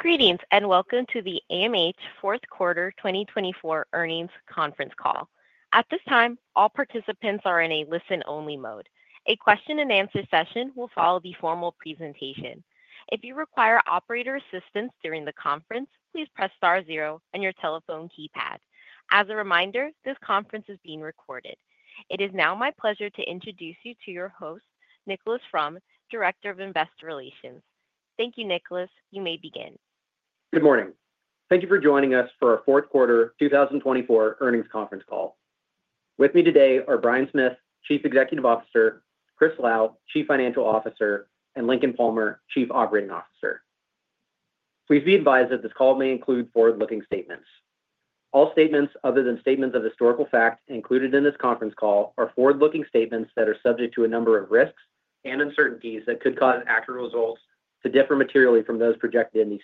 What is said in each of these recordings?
Greetings and welcome to the AMH Fourth Quarter 2024 Earnings Conference Call. At this time, all participants are in a listen-only mode. A question-and-answer session will follow the formal presentation. If you require operator assistance during the conference, please press star zero on your telephone keypad. As a reminder, this conference is being recorded. It is now my pleasure to introduce you to your host, Nicholas Fromm, Director of Investor Relations. Thank you, Nicholas. You may begin. Good morning. Thank you for joining us for our 4th Quarter 2024 Earnings Conference Call. With me today are Bryan Smith, Chief Executive Officer, Chris Lau, Chief Financial Officer, and Lincoln Palmer, Chief Operating Officer. Please be advised that this call may include forward-looking statements. All statements other than statements of historical fact included in this conference call are forward-looking statements that are subject to a number of risks and uncertainties that could cause actual results to differ materially from those projected in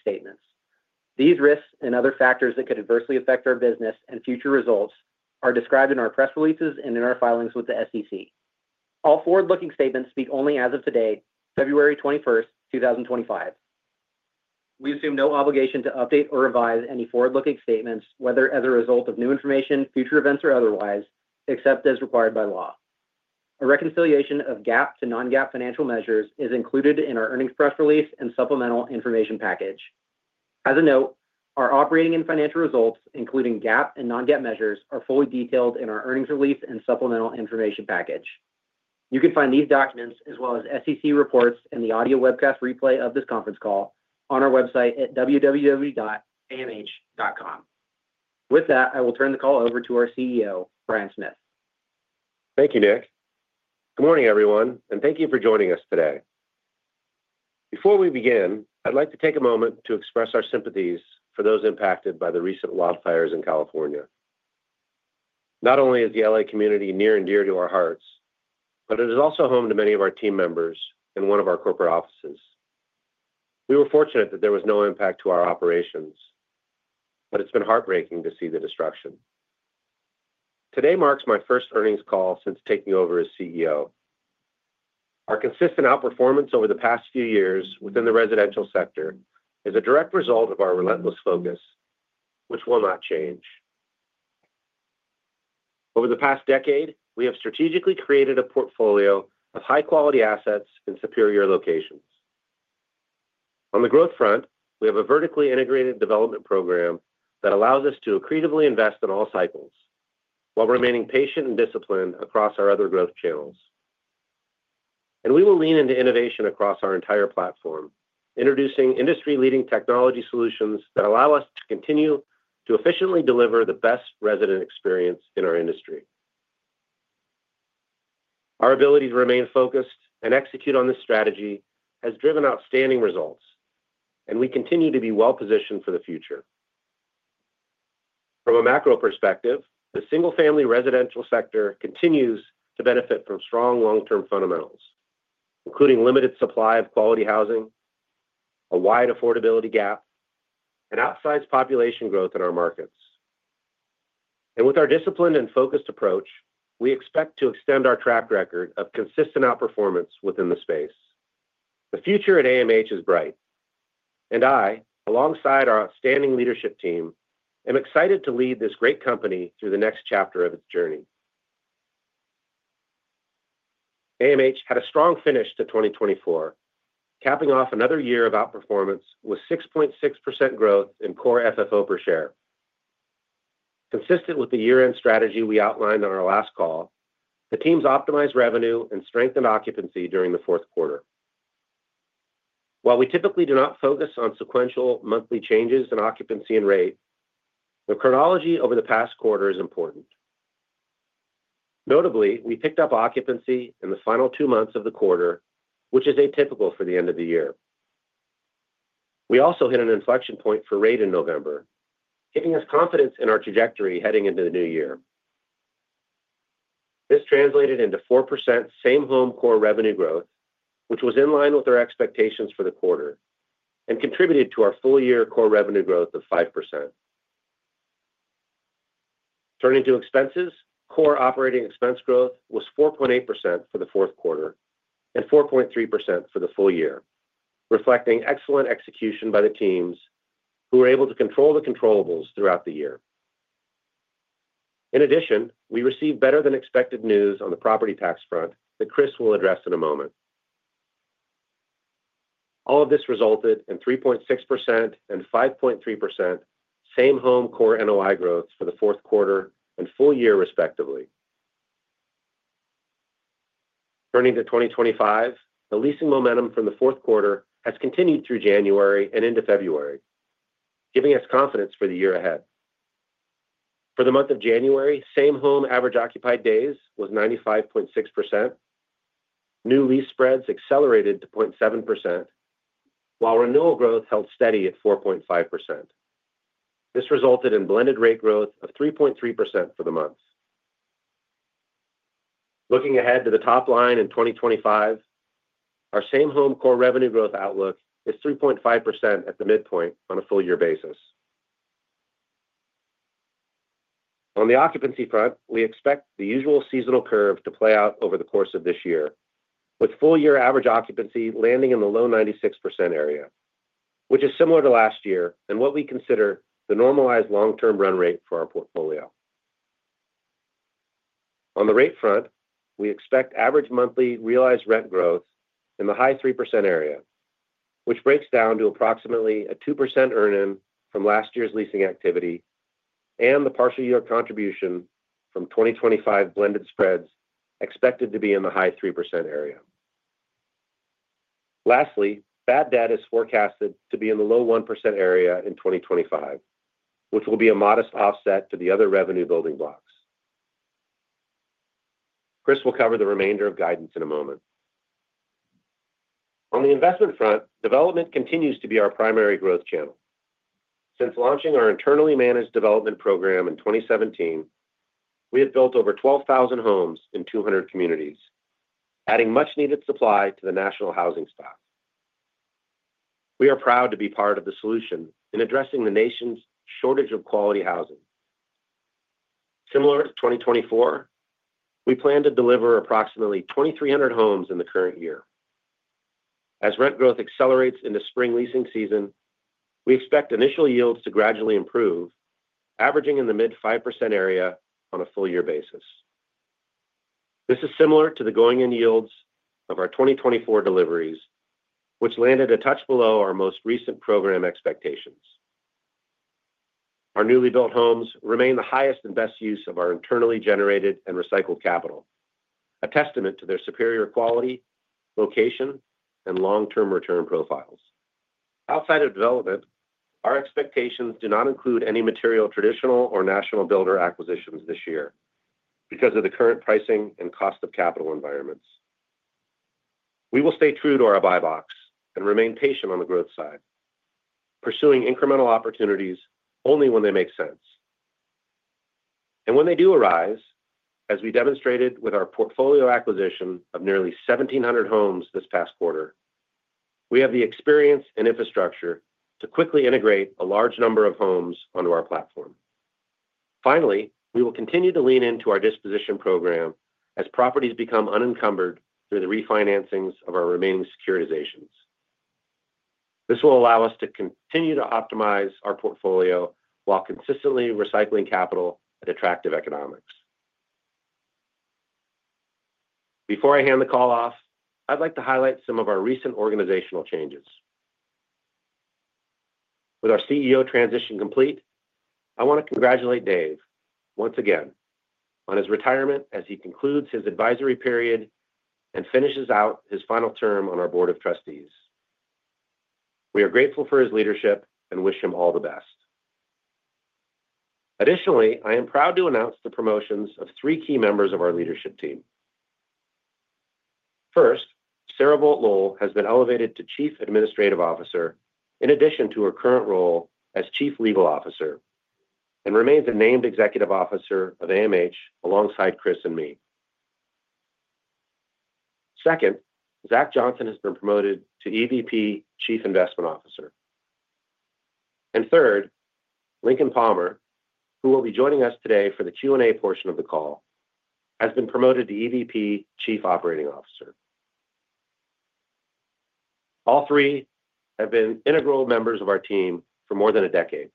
these statements. These risks and other factors that could adversely affect our business and future results are described in our press releases and in our filings with the SEC. All forward-looking statements speak only as of today, February 21st, 2025. We assume no obligation to update or revise any forward-looking statements, whether as a result of new information, future events, or otherwise, except as required by law. A reconciliation of GAAP to non-GAAP financial measures is included in our earnings press release and supplemental information package. As a note, our operating and financial results, including GAAP and non-GAAP measures, are fully detailed in our earnings release and supplemental information package. You can find these documents, as well as SEC reports and the audio webcast replay of this conference call, on our website at www.amh.com. With that, I will turn the call over to our CEO, Bryan Smith. Thank you, Nick. Good morning, everyone, and thank you for joining us today. Before we begin, I'd like to take a moment to express our sympathies for those impacted by the recent wildfires in California. Not only is the LA community near and dear to our hearts, but it is also home to many of our team members and one of our corporate offices. We were fortunate that there was no impact to our operations, but it's been heartbreaking to see the destruction. Today marks my first earnings call since taking over as CEO. Our consistent outperformance over the past few years within the residential sector is a direct result of our relentless focus, which will not change. Over the past decade, we have strategically created a portfolio of high-quality assets in superior locations. On the growth front, we have a vertically integrated development program that allows us to accretively invest in all cycles while remaining patient and disciplined across our other growth channels, and we will lean into innovation across our entire platform, introducing industry-leading technology solutions that allow us to continue to efficiently deliver the best resident experience in our industry. Our ability to remain focused and execute on this strategy has driven outstanding results, and we continue to be well-positioned for the future. From a macro perspective, the single-family residential sector continues to benefit from strong long-term fundamentals, including limited supply of quality housing, a wide affordability gap, and outsized population growth in our markets, and with our disciplined and focused approach, we expect to extend our track record of consistent outperformance within the space. The future at AMH is bright, and I, alongside our outstanding leadership team, am excited to lead this great company through the next chapter of its journey. AMH had a strong finish to 2024, capping off another year of outperformance with 6.6% growth in core FFO per share. Consistent with the year-end strategy we outlined on our last call, the team's optimized revenue and strengthened occupancy during the fourth quarter. While we typically do not focus on sequential monthly changes in occupancy and rate, the chronology over the past quarter is important. Notably, we picked up occupancy in the final two months of the quarter, which is atypical for the end of the year. We also hit an inflection point for rate in November, giving us confidence in our trajectory heading into the new year. This translated into 4% same-home core revenue growth, which was in line with our expectations for the quarter and contributed to our full-year core revenue growth of 5%. Turning to expenses, core operating expense growth was 4.8% for the fourth quarter and 4.3% for the full year, reflecting excellent execution by the teams, who were able to control the controllables throughout the year. In addition, we received better-than-expected news on the property tax front that Chris will address in a moment. All of this resulted in 3.6% and 5.3% same-home core NOI growth for the fourth quarter and full year, respectively. Turning to 2025, the leasing momentum from the fourth quarter has continued through January and into February, giving us confidence for the year ahead. For the month of January, same-home average occupied days was 95.6%. New lease spreads accelerated to 0.7%, while renewal growth held steady at 4.5%. This resulted in blended rate growth of 3.3% for the month. Looking ahead to the top line in 2025, our same-home core revenue growth outlook is 3.5% at the midpoint on a full-year basis. On the occupancy front, we expect the usual seasonal curve to play out over the course of this year, with full-year average occupancy landing in the low 96% area, which is similar to last year and what we consider the normalized long-term run rate for our portfolio. On the rate front, we expect average monthly realized rent growth in the high 3% area, which breaks down to approximately a 2% earn-in from last year's leasing activity and the partial-year contribution from 2025 blended spreads expected to be in the high 3% area. Lastly, bad debt is forecasted to be in the low 1% area in 2025, which will be a modest offset to the other revenue-building blocks. Chris will cover the remainder of guidance in a moment. On the investment front, development continues to be our primary growth channel. Since launching our internally managed development program in 2017, we have built over 12,000 homes in 200 communities, adding much-needed supply to the national housing stock. We are proud to be part of the solution in addressing the nation's shortage of quality housing. Similar to 2024, we plan to deliver approximately 2,300 homes in the current year. As rent growth accelerates into spring leasing season, we expect initial yields to gradually improve, averaging in the mid-5% area on a full-year basis. This is similar to the going-in yields of our 2024 deliveries, which landed a touch below our most recent program expectations. Our newly built homes remain the highest and best use of our internally generated and recycled capital, a testament to their superior quality, location, and long-term return profiles. Outside of development, our expectations do not include any material traditional or national builder acquisitions this year because of the current pricing and cost-of-capital environments. We will stay true to our buy box and remain patient on the growth side, pursuing incremental opportunities only when they make sense, and when they do arise, as we demonstrated with our portfolio acquisition of nearly 1,700 homes this past quarter, we have the experience and infrastructure to quickly integrate a large number of homes onto our platform. Finally, we will continue to lean into our disposition program as properties become unencumbered through the refinancings of our remaining securitizations. This will allow us to continue to optimize our portfolio while consistently recycling capital at attractive economics. Before I hand the call off, I'd like to highlight some of our recent organizational changes. With our CEO transition complete, I want to congratulate Dave once again on his retirement as he concludes his advisory period and finishes out his final term on our Board of Trustees. We are grateful for his leadership and wish him all the best. Additionally, I am proud to announce the promotions of three key members of our leadership team. First, Sarah Vogt-Lowell has been elevated to Chief Administrative Officer in addition to her current role as Chief Legal Officer and remains a named Executive Officer of AMH alongside Chris and me. Second, Zach Johnson has been promoted to EVP Chief Investment Officer, and third, Lincoln Palmer, who will be joining us today for the Q&A portion of the call, has been promoted to EVP Chief Operating Officer. All three have been integral members of our team for more than a decade.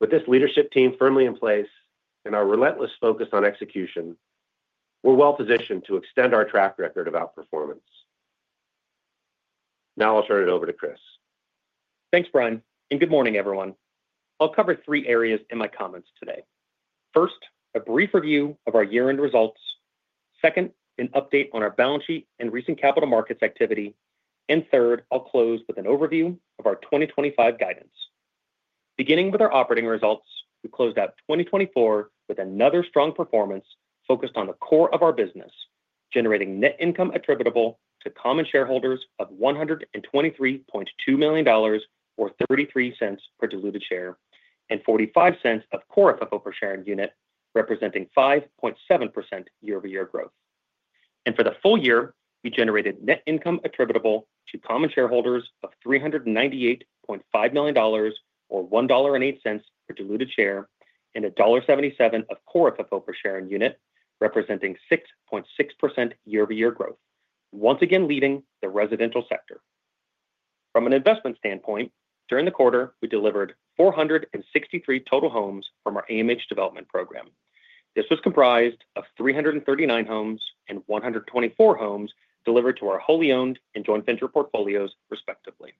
With this leadership team firmly in place and our relentless focus on execution, we're well-positioned to extend our track record of outperformance. Now I'll turn it over to Chris. Thanks, Bryan, and good morning, everyone. I'll cover three areas in my comments today. First, a brief review of our year-end results. Second, an update on our balance sheet and recent capital markets activity. And third, I'll close with an overview of our 2025 guidance. Beginning with our operating results, we closed out 2024 with another strong performance focused on the core of our business, generating net income attributable to common shareholders of $123.2 million or $0.33 per diluted share and $0.45 of core FFO per share and unit, representing 5.7% year-over-year growth. And for the full year, we generated net income attributable to common shareholders of $398.5 million or $1.08 per diluted share and $1.77 of core FFO per share and unit, representing 6.6% year-over-year growth, once again leading the residential sector. From an investment standpoint, during the quarter, we delivered 463 total homes from our AMH development program. This was comprised of 339 homes and 124 homes delivered to our wholly owned and joint venture portfolios, respectively.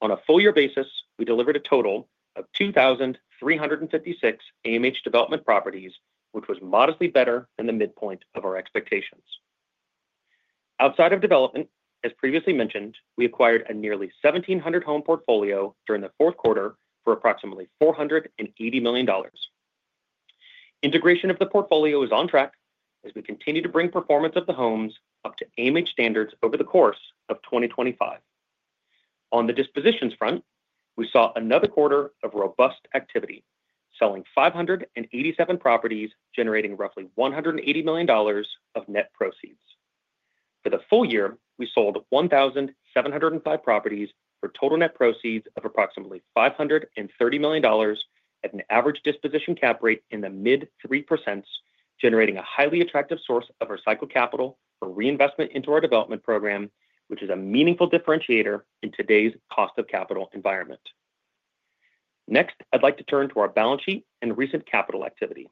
On a full-year basis, we delivered a total of 2,356 AMH development properties, which was modestly better than the midpoint of our expectations. Outside of development, as previously mentioned, we acquired a nearly 1,700-home portfolio during the fourth quarter for approximately $480 million. Integration of the portfolio is on track as we continue to bring performance of the homes up to AMH standards over the course of 2025. On the dispositions front, we saw another quarter of robust activity, selling 587 properties, generating roughly $180 million of net proceeds. For the full year, we sold 1,705 properties for total net proceeds of approximately $530 million at an average disposition cap rate in the mid-3%, generating a highly attractive source of recycled capital for reinvestment into our development program, which is a meaningful differentiator in today's cost-of-capital environment. Next, I'd like to turn to our balance sheet and recent capital activity.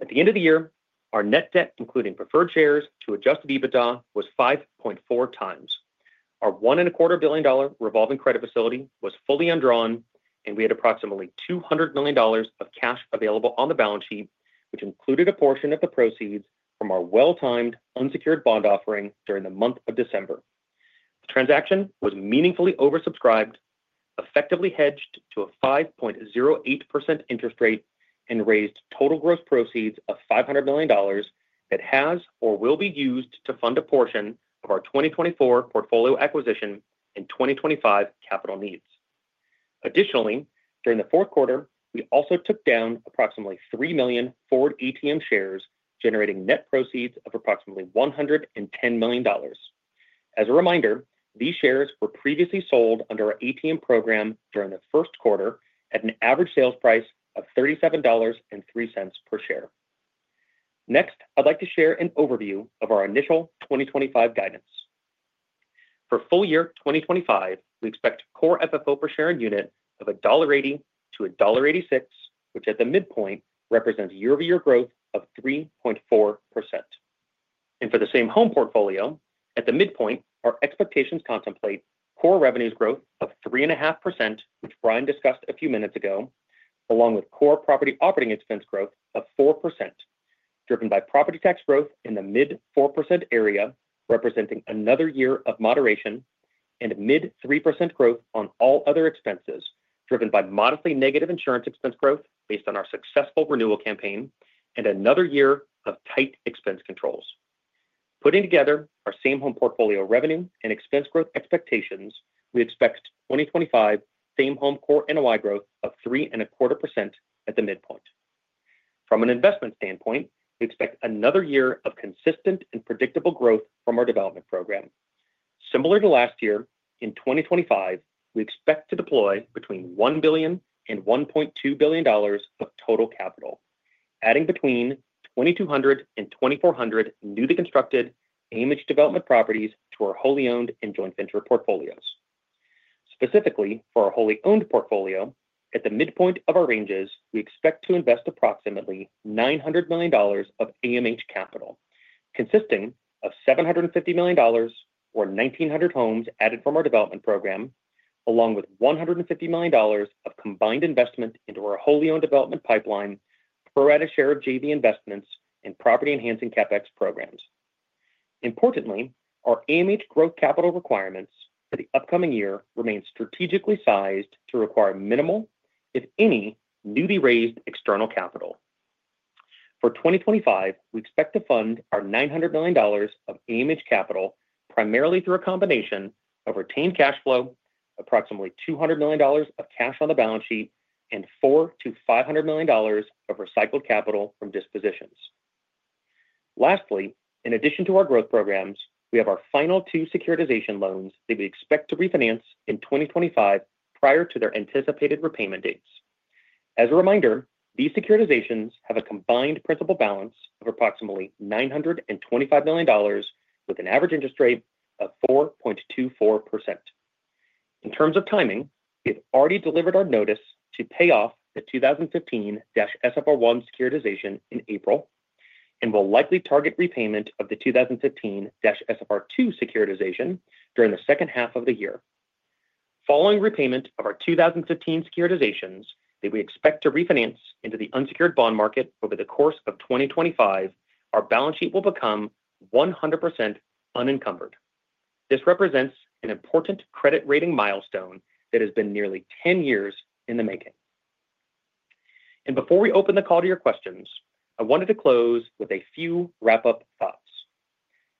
At the end of the year, our net debt, including preferred shares to adjusted EBITDA, was 5.4 times. Our $1.25 billion revolving credit facility was fully undrawn, and we had approximately $200 million of cash available on the balance sheet, which included a portion of the proceeds from our well-timed unsecured bond offering during the month of December. The transaction was meaningfully oversubscribed, effectively hedged to a 5.08% interest rate, and raised total gross proceeds of $500 million that has or will be used to fund a portion of our 2024 portfolio acquisition and 2025 capital needs. Additionally, during the fourth quarter, we also took down approximately three million our ATM shares, generating net proceeds of approximately $110 million. As a reminder, these shares were previously sold under our ATM program during the first quarter at an average sales price of $37.03 per share. Next, I'd like to share an overview of our initial 2025 guidance. For full year 2025, we expect core FFO per share and unit of $1.80-$1.86, which at the midpoint represents year-over-year growth of 3.4%. For the same-home portfolio, at the midpoint, our expectations contemplate core revenues growth of 3.5%, which Bryan discussed a few minutes ago, along with core property operating expense growth of 4%, driven by property tax growth in the mid-4% area, representing another year of moderation and mid-3% growth on all other expenses, driven by modestly negative insurance expense growth based on our successful renewal campaign and another year of tight expense controls. Putting together our same-home portfolio revenue and expense growth expectations, we expect 2025 same-home core NOI growth of 3.25% at the midpoint. From an investment standpoint, we expect another year of consistent and predictable growth from our development program. Similar to last year, in 2025, we expect to deploy between $1 billion and $1.2 billion of total capital, adding between 2,200 and 2,400 newly constructed AMH development properties to our wholly owned and joint venture portfolios. Specifically, for our wholly owned portfolio, at the midpoint of our ranges, we expect to invest approximately $900 million of AMH capital, consisting of $750 million or 1,900 homes added from our development program, along with $150 million of combined investment into our wholly owned development pipeline per added share of JV investments and property enhancing CapEx programs. Importantly, our AMH growth capital requirements for the upcoming year remain strategically sized to require minimal, if any, newly raised external capital. For 2025, we expect to fund our $900 million of AMH capital primarily through a combination of retained cash flow, approximately $200 million of cash on the balance sheet, and $400 million-$500 million of recycled capital from dispositions. Lastly, in addition to our growth programs, we have our final two securitization loans that we expect to refinance in 2025 prior to their anticipated repayment dates. As a reminder, these securitizations have a combined principal balance of approximately $925 million with an average interest rate of 4.24%. In terms of timing, we have already delivered our notice to pay off the 2015-SFR1 securitization in April and will likely target repayment of the 2015-SFR2 securitization during the second half of the year. Following repayment of our 2015 securitizations that we expect to refinance into the unsecured bond market over the course of 2025, our balance sheet will become 100% unencumbered. This represents an important credit rating milestone that has been nearly 10 years in the making, and before we open the call to your questions, I wanted to close with a few wrap-up thoughts.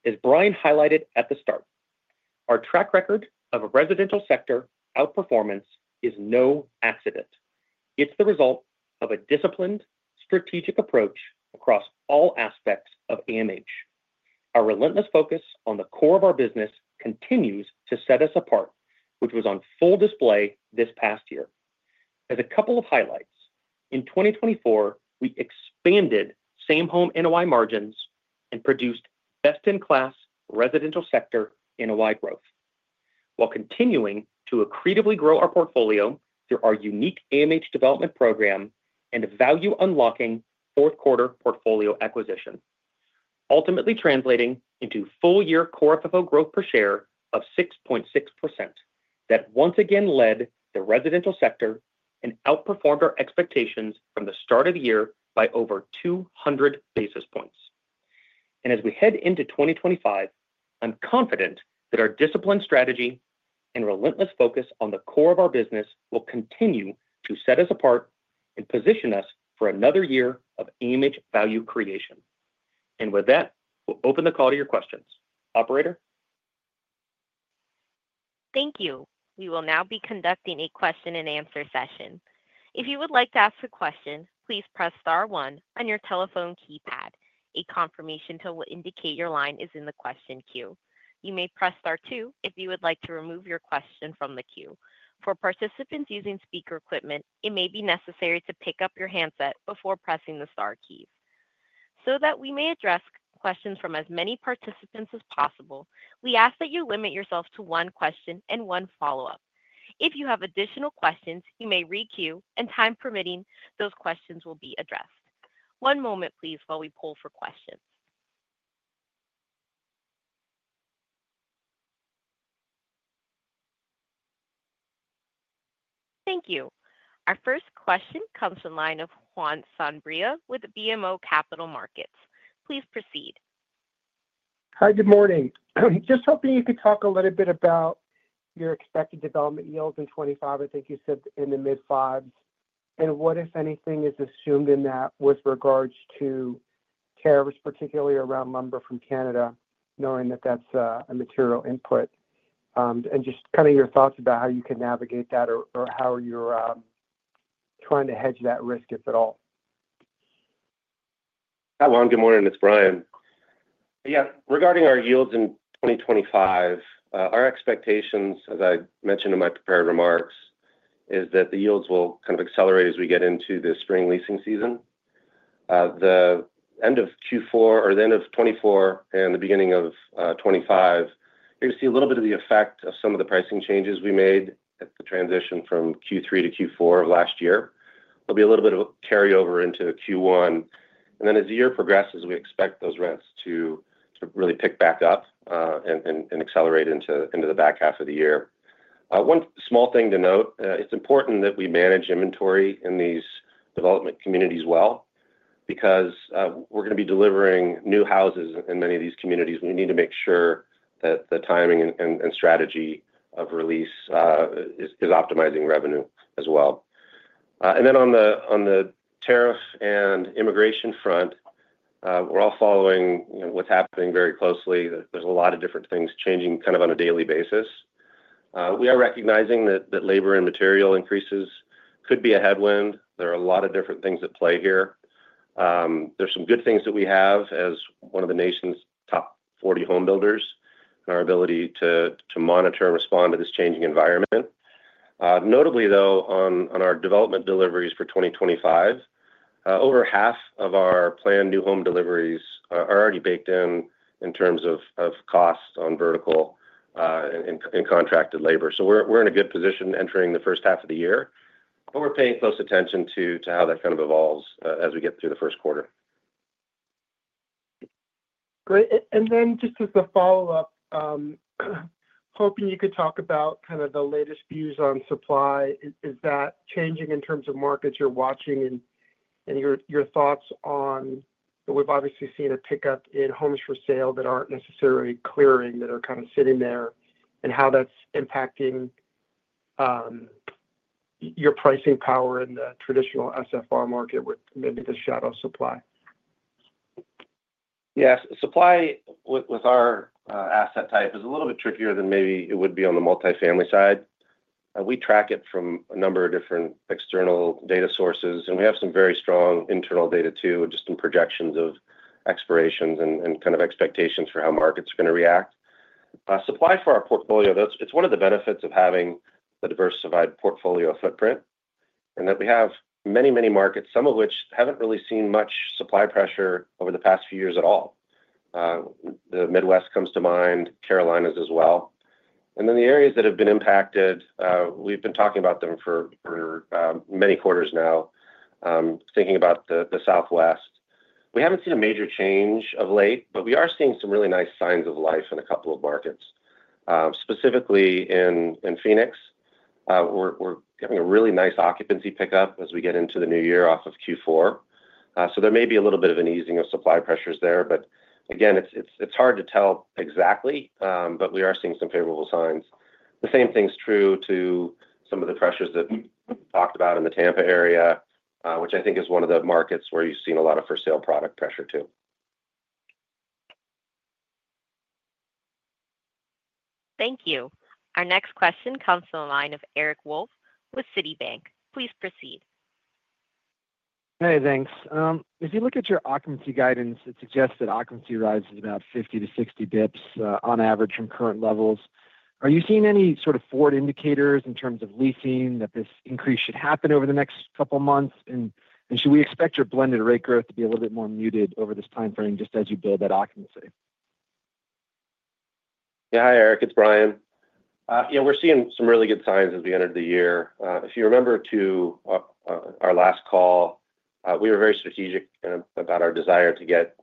As Bryan highlighted at the start, our track record of residential sector outperformance is no accident. It's the result of a disciplined, strategic approach across all aspects of AMH. Our relentless focus on the core of our business continues to set us apart, which was on full display this past year. As a couple of highlights, in 2024, we expanded same-home NOI margins and produced best-in-class residential sector NOI growth, while continuing to accretively grow our portfolio through our unique AMH development program and value-unlocking fourth-quarter portfolio acquisition, ultimately translating into full-year core FFO growth per share of 6.6% that once again led the residential sector and outperformed our expectations from the start of the year by over 200 basis points. And as we head into 2025, I'm confident that our disciplined strategy and relentless focus on the core of our business will continue to set us apart and position us for another year of AMH value creation. And with that, we'll open the call to your questions. Operator? Thank you. We will now be conducting a question-and-answer session. If you would like to ask a question, please press Star 1 on your telephone keypad. A confirmation tone will indicate your line is in the question queue. You may press Star 2 if you would like to remove your question from the queue. For participants using speaker equipment, it may be necessary to pick up your handset before pressing the Star keys. So that we may address questions from as many participants as possible, we ask that you limit yourself to one question and one follow-up. If you have additional questions, you may re-queue, and time permitting, those questions will be addressed. One moment, please, while we pull for questions. Thank you. Our first question comes from Juan Sanabria with BMO Capital Markets. Please proceed. Hi, good morning. Just hoping you could talk a little bit about your expected development yields in 2025. I think you said in the mid-5s. And what, if anything, is assumed in that with regards to tariffs, particularly around lumber from Canada, knowing that that's a material input? And just kind of your thoughts about how you can navigate that or how you're trying to hedge that risk, if at all? Hi, Juan. Good morning. It's Bryan. Yeah, regarding our yields in 2025, our expectations, as I mentioned in my prepared remarks, is that the yields will kind of accelerate as we get into the spring leasing season. The end of Q4 or the end of 2024 and the beginning of 2025, you're going to see a little bit of the effect of some of the pricing changes we made at the transition from Q3 to Q4 of last year. There'll be a little bit of a carryover into Q1. And then as the year progresses, we expect those rents to really pick back up and accelerate into the back half of the year. One small thing to note, it's important that we manage inventory in these development communities well because we're going to be delivering new houses in many of these communities. We need to make sure that the timing and strategy of release is optimizing revenue as well, and then on the tariff and immigration front, we're all following what's happening very closely. There's a lot of different things changing kind of on a daily basis. We are recognizing that labor and material increases could be a headwind. There are a lot of different things at play here. There's some good things that we have as one of the nation's top 40 homebuilders and our ability to monitor and respond to this changing environment. Notably, though, on our development deliveries for 2025, over half of our planned new home deliveries are already baked in in terms of cost on vertical and contracted labor. So we're in a good position entering the first half of the year, but we're paying close attention to how that kind of evolves as we get through the first quarter. Great. And then just as a follow-up, hoping you could talk about kind of the latest views on supply. Is that changing in terms of markets you're watching and your thoughts on that we've obviously seen a pickup in homes for sale that aren't necessarily clearing, that are kind of sitting there and how that's impacting your pricing power in the traditional SFR market with maybe the shadow supply? Yeah. Supply with our asset type is a little bit trickier than maybe it would be on the multifamily side. We track it from a number of different external data sources, and we have some very strong internal data too, just in projections of expirations and kind of expectations for how markets are going to react. Supply for our portfolio, it's one of the benefits of having a diversified portfolio footprint and that we have many, many markets, some of which haven't really seen much supply pressure over the past few years at all. The Midwest comes to mind, Carolinas as well, and then the areas that have been impacted, we've been talking about them for many quarters now, thinking about the Southwest. We haven't seen a major change of late, but we are seeing some really nice signs of life in a couple of markets, specifically in Phoenix. We're having a really nice occupancy pickup as we get into the new year off of Q4. So there may be a little bit of an easing of supply pressures there. But again, it's hard to tell exactly, but we are seeing some favorable signs. The same thing's true to some of the pressures that we talked about in the Tampa area, which I think is one of the markets where you've seen a lot of for-sale product pressure too. Thank you. Our next question comes from the line of Eric Wolfe with Citigroup. Please proceed. Hey, thanks. If you look at your occupancy guidance, it suggests that occupancy rises about 50-60 basis points on average from current levels. Are you seeing any sort of forward indicators in terms of leasing that this increase should happen over the next couple of months? And should we expect your blended rate growth to be a little bit more muted over this timeframe just as you build that occupancy? Yeah. Hi, Eric. It's Bryan. Yeah, we're seeing some really good signs as we enter the year. If you remember back to our last call, we were very strategic about our desire to get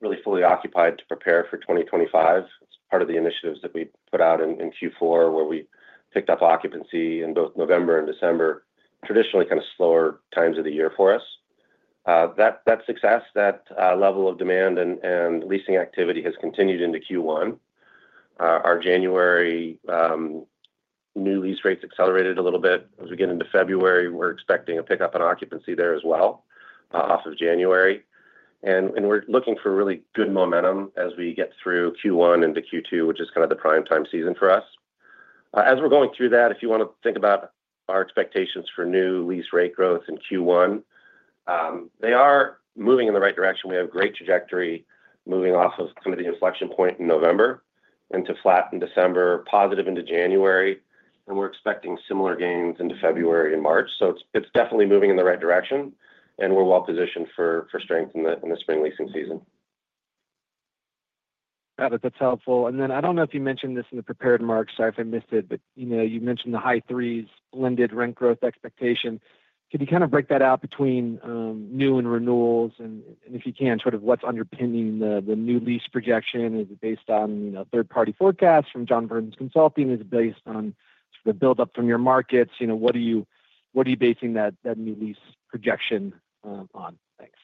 really fully occupied to prepare for 2025. It's part of the initiatives that we put out in Q4 where we picked up occupancy in both November and December, traditionally kind of slower times of the year for us. That success, that level of demand and leasing activity has continued into Q1. Our January new lease rates accelerated a little bit. As we get into February, we're expecting a pickup on occupancy there as well off of January. And we're looking for really good momentum as we get through Q1 into Q2, which is kind of the prime time season for us. As we're going through that, if you want to think about our expectations for new lease rate growth in Q1, they are moving in the right direction. We have a great trajectory moving off of kind of the inflection point in November into flat in December, positive into January, and we're expecting similar gains into February and March. So it's definitely moving in the right direction, and we're well positioned for strength in the spring leasing season. That's helpful. And then I don't know if you mentioned this in the prepared remarks, sorry if I missed it, but you mentioned the high threes blended rent growth expectation. Could you kind of break that out between new and renewals? And if you can, sort of, what's underpinning the new lease projection? Is it based on third-party forecasts from John Burns Research and Consulting? Is it based on sort of build-up from your markets? What are you basing that new lease projection on? Thanks.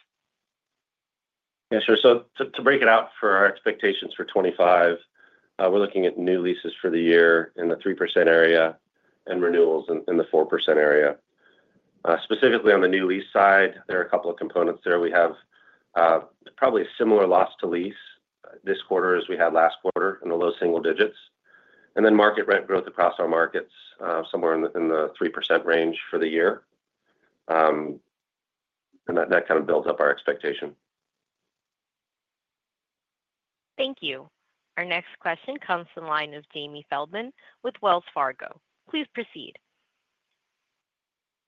Yeah, sure. So to break it out for our expectations for 2025, we're looking at new leases for the year in the 3% area and renewals in the 4% area. Specifically on the new lease side, there are a couple of components there. We have probably a similar loss to lease this quarter as we had last quarter in the low single digits. And then market rent growth across our markets somewhere in the 3% range for the year. And that kind of builds up our expectation. Thank you. Our next question comes from the line of Jamie Feldman with Wells Fargo. Please proceed.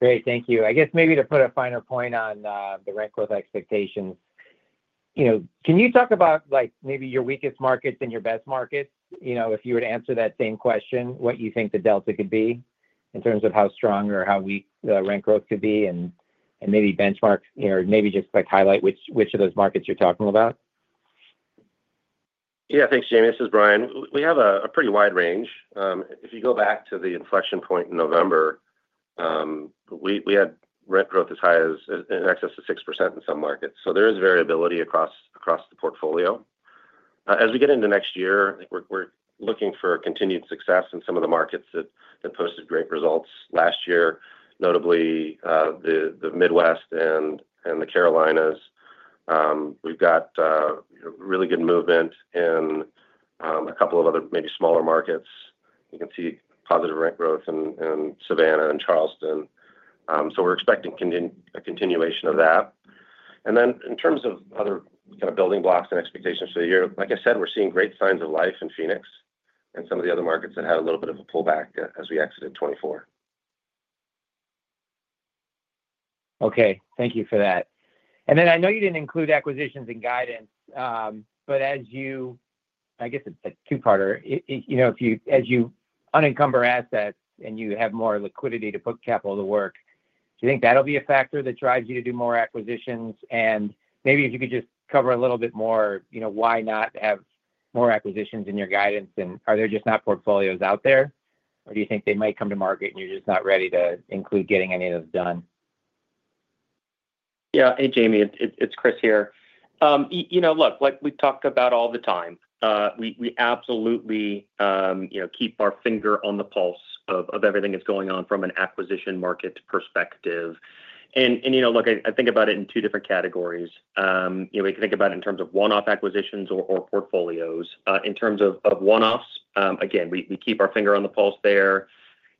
Great. Thank you. I guess maybe to put a finer point on the rent growth expectations, can you talk about maybe your weakest markets and your best markets? If you were to answer that same question, what you think the delta could be in terms of how strong or how weak the rent growth could be and maybe benchmark or maybe just highlight which of those markets you're talking about? Yeah. Thanks, Jamie. This is Bryan. We have a pretty wide range. If you go back to the inflection point in November, we had rent growth as high as in excess of 6% in some markets. So there is variability across the portfolio. As we get into next year, we're looking for continued success in some of the markets that posted great results last year, notably the Midwest and the Carolinas. We've got really good movement in a couple of other maybe smaller markets. You can see positive rent growth in Savannah and Charleston. So we're expecting a continuation of that, and then in terms of other kind of building blocks and expectations for the year, like I said, we're seeing great signs of life in Phoenix and some of the other markets that had a little bit of a pullback as we exited 2024. Okay. Thank you for that. And then I know you didn't include acquisitions and guidance, but as you-I guess it's a two-parter-if you unencumber assets and you have more liquidity to put capital to work, do you think that'll be a factor that drives you to do more acquisitions? And maybe if you could just cover a little bit more, why not have more acquisitions in your guidance? And are there just not portfolios out there, or do you think they might come to market and you're just not ready to include getting any of those done? Yeah. Hey, Jamie. It's Chris here. Look, like we talk about all the time, we absolutely keep our finger on the pulse of everything that's going on from an acquisition market perspective, and look, I think about it in two different categories. We can think about it in terms of one-off acquisitions or portfolios. In terms of one-offs, again, we keep our finger on the pulse there.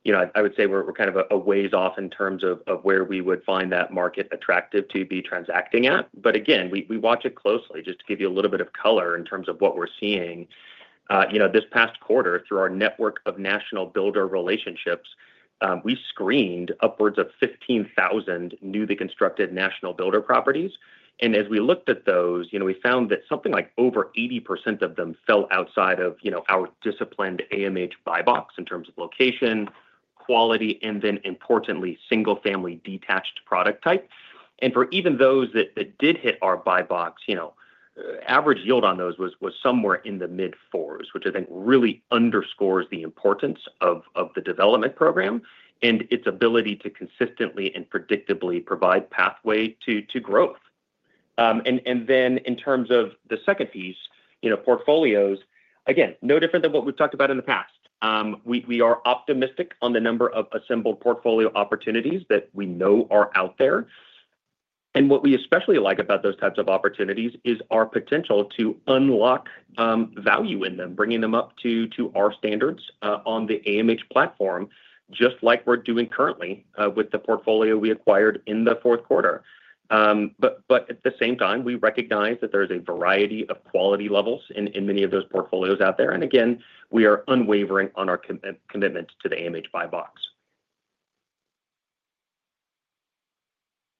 I would say we're kind of a ways off in terms of where we would find that market attractive to be transacting at, but again, we watch it closely. Just to give you a little bit of color in terms of what we're seeing, this past quarter, through our network of national builder relationships, we screened upwards of 15,000 newly constructed national builder properties. As we looked at those, we found that something like over 80% of them fell outside of our disciplined AMH buy box in terms of location, quality, and then, importantly, single-family detached product type. For even those that did hit our buy box, average yield on those was somewhere in the mid-4s, which I think really underscores the importance of the development program and its ability to consistently and predictably provide pathway to growth. In terms of the second piece, portfolios, again, no different than what we've talked about in the past. We are optimistic on the number of assembled portfolio opportunities that we know are out there. What we especially like about those types of opportunities is our potential to unlock value in them, bringing them up to our standards on the AMH platform, just like we're doing currently with the portfolio we acquired in the fourth quarter. At the same time, we recognize that there is a variety of quality levels in many of those portfolios out there. We are unwavering on our commitment to the AMH buy box.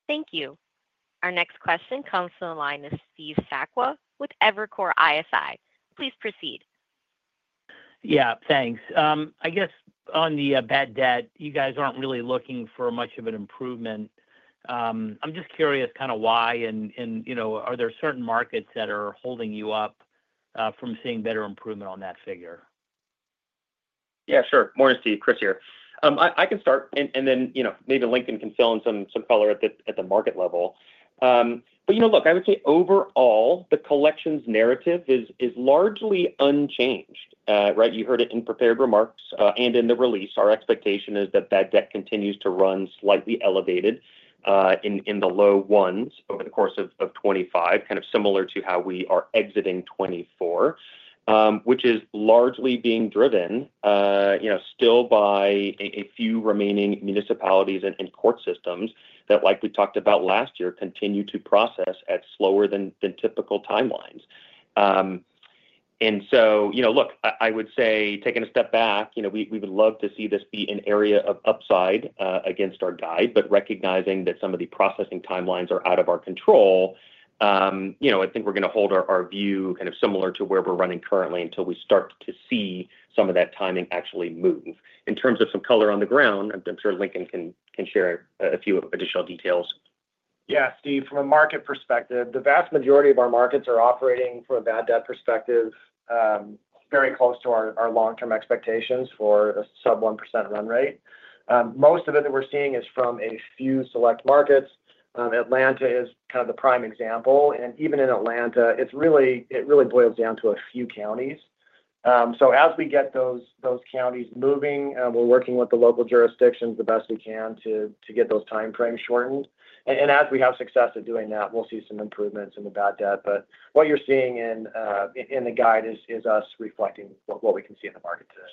Thank you. Our next question comes from the line of Steve Sakwa with Evercore ISI. Please proceed. Yeah. Thanks. I guess on the bad debt, you guys aren't really looking for much of an improvement. I'm just curious kind of why, and are there certain markets that are holding you up from seeing better improvement on that figure? Yeah, sure. Morning, Steve. Chris here. I can start, and then maybe Lincoln can fill in some color at the market level. But look, I would say overall, the collections narrative is largely unchanged, right? You heard it in prepared remarks and in the release. Our expectation is that bad debt continues to run slightly elevated in the low ones over the course of 2025, kind of similar to how we are exiting 2024, which is largely being driven still by a few remaining municipalities and court systems that, like we talked about last year, continue to process at slower than typical timelines. And so look, I would say, taking a step back, we would love to see this be an area of upside against our guide, but recognizing that some of the processing timelines are out of our control, I think we're going to hold our view kind of similar to where we're running currently until we start to see some of that timing actually move. In terms of some color on the ground, I'm sure Lincoln can share a few additional details. Yeah, Steve, from a market perspective, the vast majority of our markets are operating from a bad debt perspective, very close to our long-term expectations for a sub-1% run rate. Most of it that we're seeing is from a few select markets. Atlanta is kind of the prime example. And even in Atlanta, it really boils down to a few counties. So as we get those counties moving, we're working with the local jurisdictions the best we can to get those timeframes shortened. And as we have success at doing that, we'll see some improvements in the bad debt. But what you're seeing in the guide is us reflecting what we can see in the market today.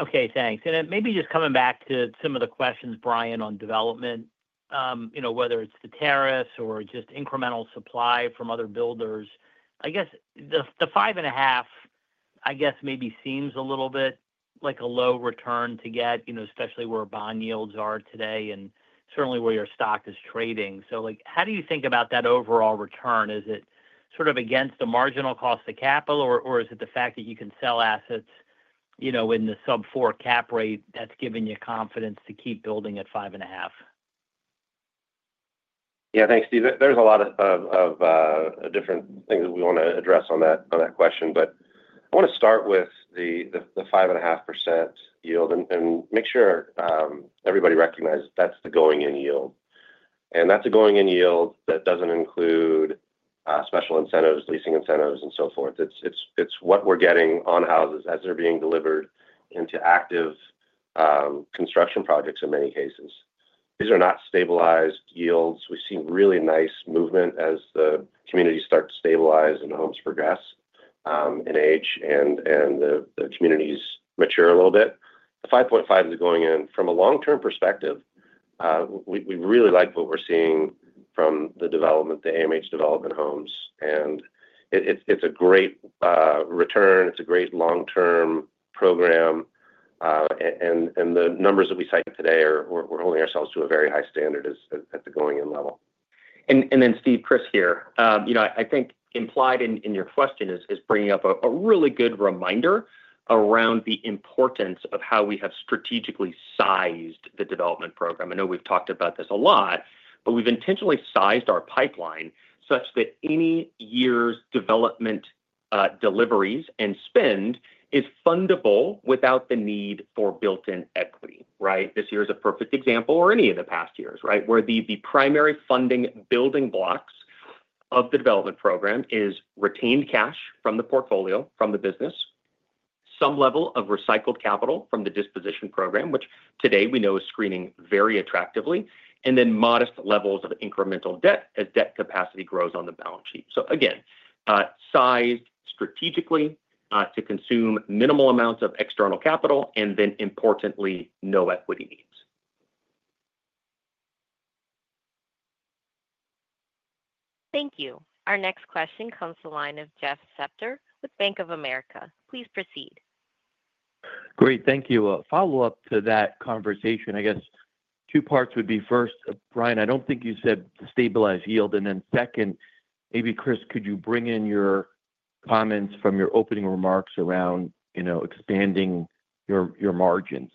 Okay. Thanks. And maybe just coming back to some of the questions, Bryan, on development, whether it's the tariffs or just incremental supply from other builders, I guess the five and a half, I guess, maybe seems a little bit like a low return to get, especially where bond yields are today and certainly where your stock is trading. So how do you think about that overall return? Is it sort of against the marginal cost of capital, or is it the fact that you can sell assets in the sub-4 cap rate that's giving you confidence to keep building at five and a half? Yeah. Thanks, Steve. There's a lot of different things that we want to address on that question, but I want to start with the 5.5% yield and make sure everybody recognizes that's the going-in yield, and that's a going-in yield that doesn't include special incentives, leasing incentives, and so forth. It's what we're getting on houses as they're being delivered into active construction projects in many cases. These are not stabilized yields. We've seen really nice movement as the community starts to stabilize and the homes progress in age and the communities mature a little bit. The 5.5 is going in. From a long-term perspective, we really like what we're seeing from the development, the AMH development homes, and it's a great return. It's a great long-term program. The numbers that we cite today, we're holding ourselves to a very high standard at the going-in level. And then, Steve, Chris here. I think implied in your question is bringing up a really good reminder around the importance of how we have strategically sized the development program. I know we've talked about this a lot, but we've intentionally sized our pipeline such that any year's development deliveries and spend is fundable without the need for built-in equity, right? This year is a perfect example, or any of the past years, right, where the primary funding building blocks of the development program is retained cash from the portfolio, from the business, some level of recycled capital from the disposition program, which today we know is selling very attractively, and then modest levels of incremental debt as debt capacity grows on the balance sheet. So again, sized strategically to consume minimal amounts of external capital, and then, importantly, no equity needs. Thank you. Our next question comes from the line of Jeff Spector with Bank of America. Please proceed. Great. Thank you. A follow-up to that conversation, I guess two parts would be. First, Bryan, I don't think you said stabilized yield. And then second, maybe Chris, could you bring in your comments from your opening remarks around expanding your margins?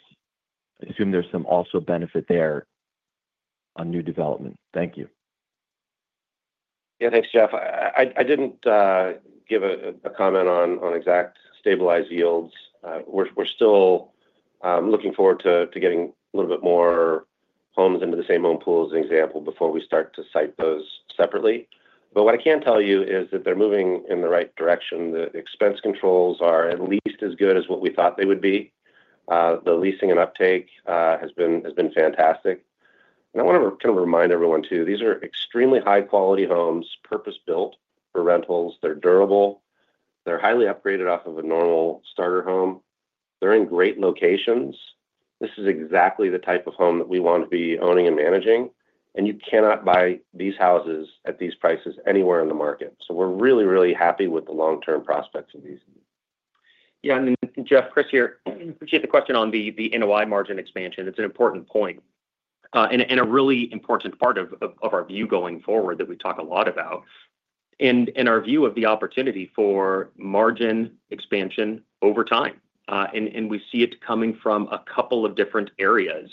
I assume there's some also benefit there on new development. Thank you. Yeah. Thanks, Jeff. I didn't give a comment on exact stabilized yields. We're still looking forward to getting a little bit more homes into the same home pool as an example before we start to cite those separately. But what I can tell you is that they're moving in the right direction. The expense controls are at least as good as what we thought they would be. The leasing and uptake has been fantastic. And I want to kind of remind everyone too, these are extremely high-quality homes, purpose-built for rentals. They're durable. They're highly upgraded off of a normal starter home. They're in great locations. This is exactly the type of home that we want to be owning and managing. And you cannot buy these houses at these prices anywhere in the market. So we're really, really happy with the long-term prospects of these. Yeah. Then, Jeff, Chris here. Appreciate the question on the NOI margin expansion. It's an important point and a really important part of our view going forward that we talk a lot about and our view of the opportunity for margin expansion over time. We see it coming from a couple of different areas.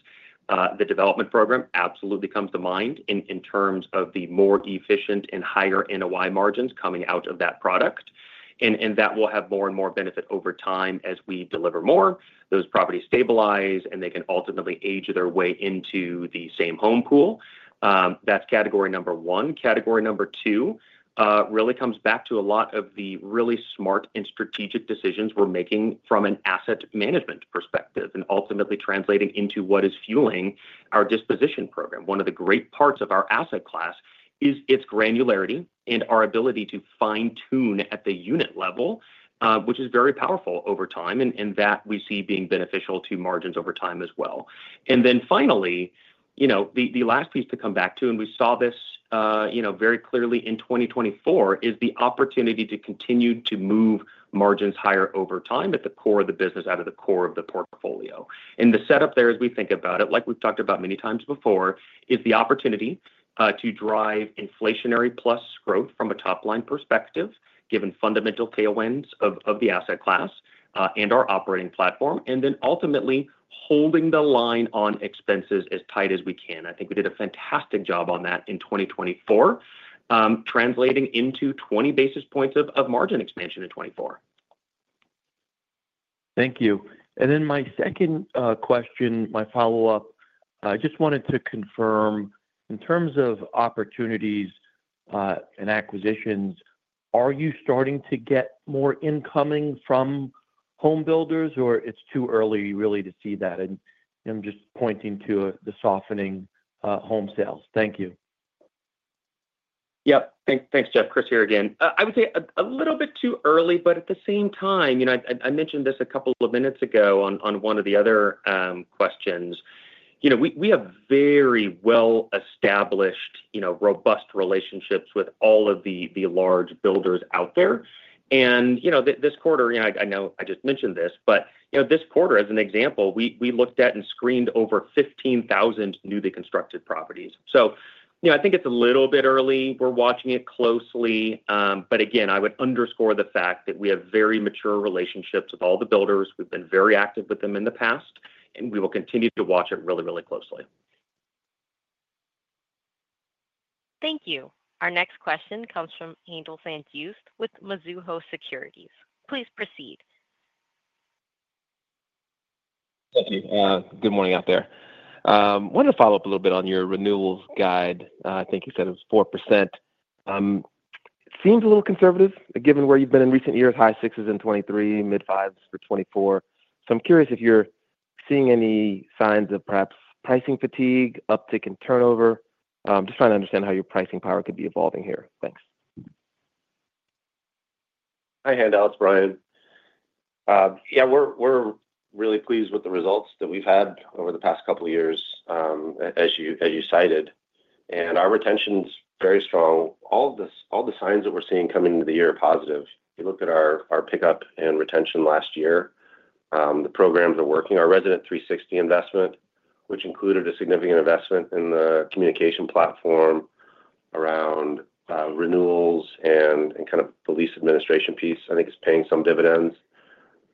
The development program absolutely comes to mind in terms of the more efficient and higher NOI margins coming out of that product. That will have more and more benefit over time as we deliver more. Those properties stabilize, and they can ultimately age their way into the same home pool. That's category number one. Category number two really comes back to a lot of the really smart and strategic decisions we're making from an asset management perspective and ultimately translating into what is fueling our disposition program. One of the great parts of our asset class is its granularity and our ability to fine-tune at the unit level, which is very powerful over time, and that we see being beneficial to margins over time as well, and then finally, the last piece to come back to, and we saw this very clearly in 2024, is the opportunity to continue to move margins higher over time at the core of the business, out of the core of the portfolio, and the setup there, as we think about it, like we've talked about many times before, is the opportunity to drive inflationary plus growth from a top-line perspective, given fundamental tailwinds of the asset class and our operating platform, and then ultimately holding the line on expenses as tight as we can. I think we did a fantastic job on that in 2024, translating into 20 basis points of margin expansion in 2024. Thank you. And then my second question, my follow-up, I just wanted to confirm, in terms of opportunities and acquisitions, are you starting to get more incoming from home builders, or it's too early really to see that? And I'm just pointing to the softening home sales. Thank you. Yep. Thanks, Jeff. Chris here again. I would say a little bit too early, but at the same time, I mentioned this a couple of minutes ago on one of the other questions. We have very well-established, robust relationships with all of the large builders out there. And this quarter, I know I just mentioned this, but this quarter, as an example, we looked at and screened over 15,000 newly constructed properties. So I think it's a little bit early. We're watching it closely. But again, I would underscore the fact that we have very mature relationships with all the builders. We've been very active with them in the past, and we will continue to watch it really, really closely. Thank you. Our next question comes from Angel Santos with Mizuho Securities. Please proceed. Thank you. Good morning out there. I wanted to follow up a little bit on your renewals guidance. I think you said it was 4%. It seems a little conservative given where you've been in recent years. High sixes in 2023, mid-fives for 2024. So I'm curious if you're seeing any signs of perhaps pricing fatigue, uptick in turnover. I'm just trying to understand how your pricing power could be evolving here. Thanks. Hi, Haendel, Bryan. Yeah, we're really pleased with the results that we've had over the past couple of years, as you cited, and our retention is very strong. All the signs that we're seeing coming into the year are positive. If you look at our pickup and retention last year, the programs are working. Our Resident360 investment, which included a significant investment in the communication platform around renewals and kind of the lease administration piece, I think is paying some dividends.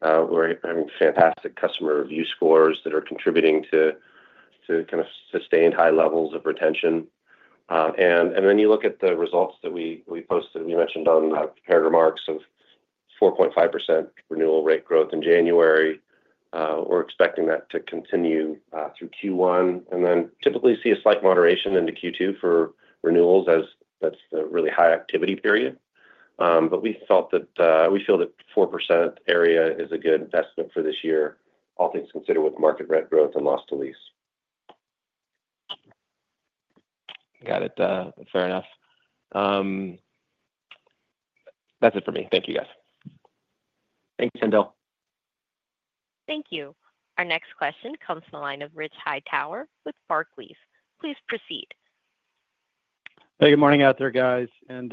We're having fantastic customer review scores that are contributing to kind of sustained high levels of retention, and then you look at the results that we posted. We mentioned on prepared remarks of 4.5% renewal rate growth in January. We're expecting that to continue through Q1 and then typically see a slight moderation into Q2 for renewals as that's the really high activity period. But we feel that 4% area is a good investment for this year, all things considered with market rent growth and loss to lease. Got it. Fair enough. That's it for me. Thank you, guys. Thanks, Kendall. Thank you. Our next question comes from the line of Rich Hightower with Barclays. Please proceed. Hey, good morning out there, guys. And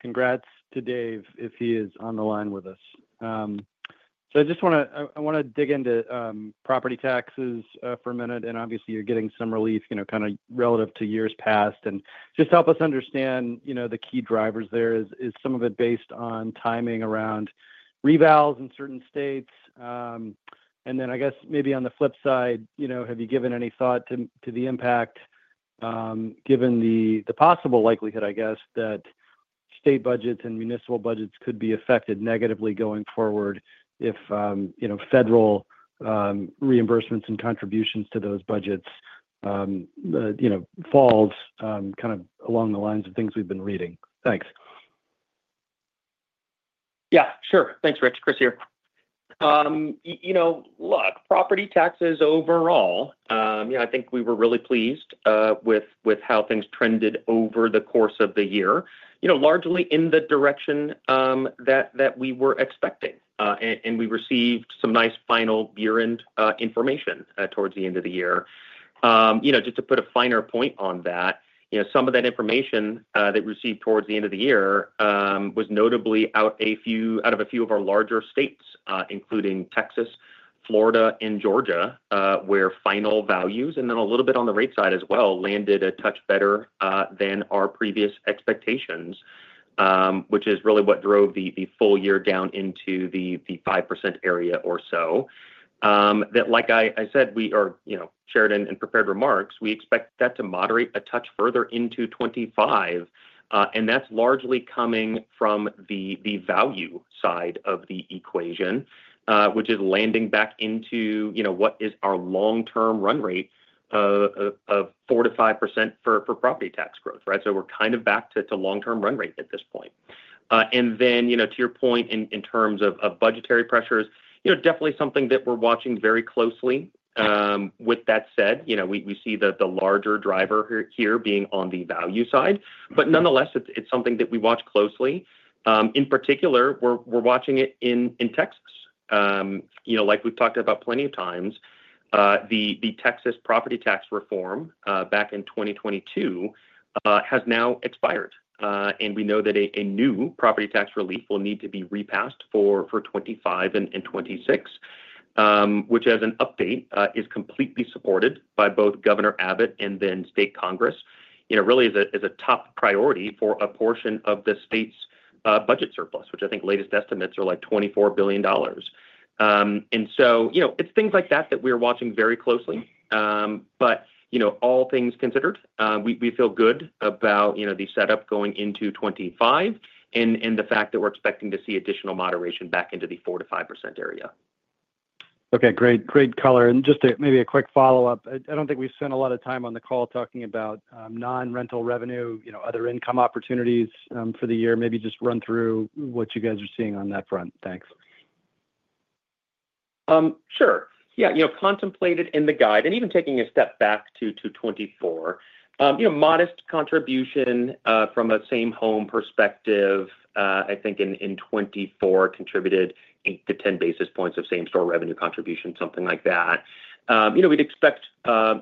congrats to Dave if he is on the line with us. So I just want to dig into property taxes for a minute. And obviously, you're getting some relief kind of relative to years past. And just help us understand the key drivers there. Is some of it based on timing around revals in certain states? And then I guess maybe on the flip side, have you given any thought to the impact given the possible likelihood, I guess, that state budgets and municipal budgets could be affected negatively going forward if federal reimbursements and contributions to those budgets falls kind of along the lines of things we've been reading? Thanks. Yeah. Sure. Thanks, Rich. Chris here. Look, property taxes overall, I think we were really pleased with how things trended over the course of the year, largely in the direction that we were expecting. We received some nice final year-end information towards the end of the year. Just to put a finer point on that, some of that information that we received towards the end of the year was notably out of a few of our larger states, including Texas, Florida, and Georgia, where final values, and then a little bit on the rate side as well, landed a touch better than our previous expectations, which is really what drove the full year down into the 5% area or so. Like I said, as we shared in prepared remarks. We expect that to moderate a touch further into 2025. That's largely coming from the value side of the equation, which is landing back into what is our long-term run rate of 4%-5% for property tax growth, right? We're kind of back to long-term run rate at this point. To your point in terms of budgetary pressures, definitely something that we're watching very closely. With that said, we see the larger driver here being on the value side. Nonetheless, it's something that we watch closely. In particular, we're watching it in Texas. Like we've talked about plenty of times, the Texas property tax reform back in 2022 has now expired. We know that a new property tax relief will need to be repassed for 2025 and 2026, which, as an update, is completely supported by both Governor Abbott and then State Congress. It really is a top priority for a portion of the state's budget surplus, which I think latest estimates are like $24 billion. And so it's things like that that we're watching very closely. But all things considered, we feel good about the setup going into 2025 and the fact that we're expecting to see additional moderation back into the 4%-5% area. Okay. Great. Great color and just maybe a quick follow-up. I don't think we've spent a lot of time on the call talking about non-rental revenue, other income opportunities for the year. Maybe just run through what you guys are seeing on that front. Thanks. Sure. Yeah. Contemplated in the guide, and even taking a step back to 2024, modest contribution from a same-home perspective, I think in 2024 contributed 8-10 basis points of same-store revenue contribution, something like that. We'd expect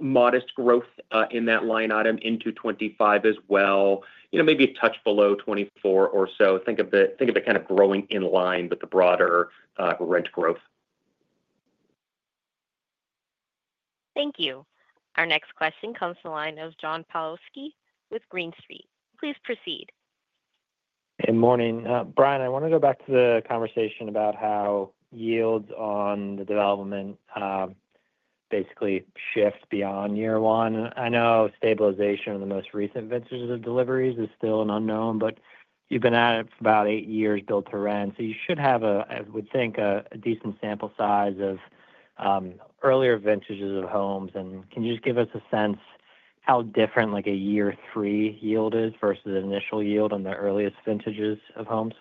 modest growth in that line item into 2025 as well, maybe a touch below 2024 or so. Think of it kind of growing in line with the broader rent growth. Thank you. Our next question comes from the line of John Pawlowski with Green Street. Please proceed. Good morning. Bryan, I want to go back to the conversation about how yields on the development basically shift beyond year one. I know stabilization of the most recent vintages of deliveries is still an unknown, but you've been at it for about eight years, built to rent. So you should have, I would think, a decent sample size of earlier vintages of homes. And can you just give us a sense how different a year three yield is versus the initial yield on the earliest vintages of homes?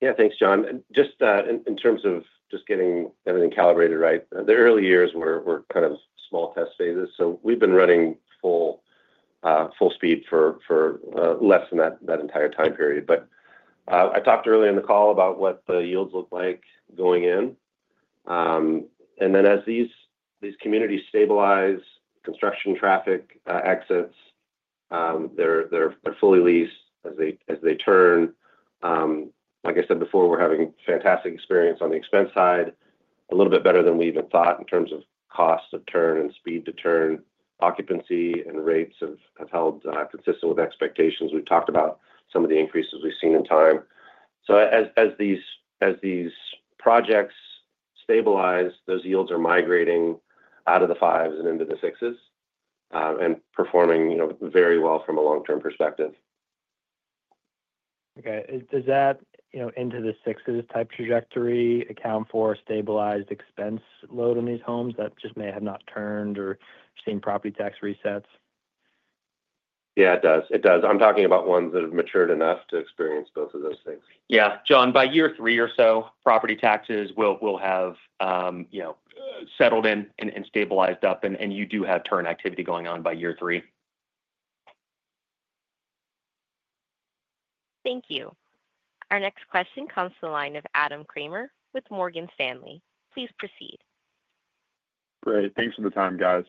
Yeah. Thanks, John. Just in terms of getting everything calibrated, right? The early years were kind of small test phases. So we've been running full speed for less than that entire time period. But I talked earlier in the call about what the yields look like going in. And then as these communities stabilize, construction traffic exits, they're fully leased as they turn. Like I said before, we're having fantastic experience on the expense side, a little bit better than we even thought in terms of cost to turn and speed to turn. Occupancy and rates have held consistent with expectations. We've talked about some of the increases we've seen in time. So as these projects stabilize, those yields are migrating out of the fives and into the sixes and performing very well from a long-term perspective. Okay. Does that into the sixes-type trajectory account for a stabilized expense load on these homes that just may have not turned or seen property tax resets? Yeah, it does. It does. I'm talking about ones that have matured enough to experience both of those things. Yeah. John, by year three or so, property taxes will have settled in and stabilized up, and you do have turn activity going on by year three. Thank you. Our next question comes from the line of Adam Kramer with Morgan Stanley. Please proceed. Great. Thanks for the time, guys.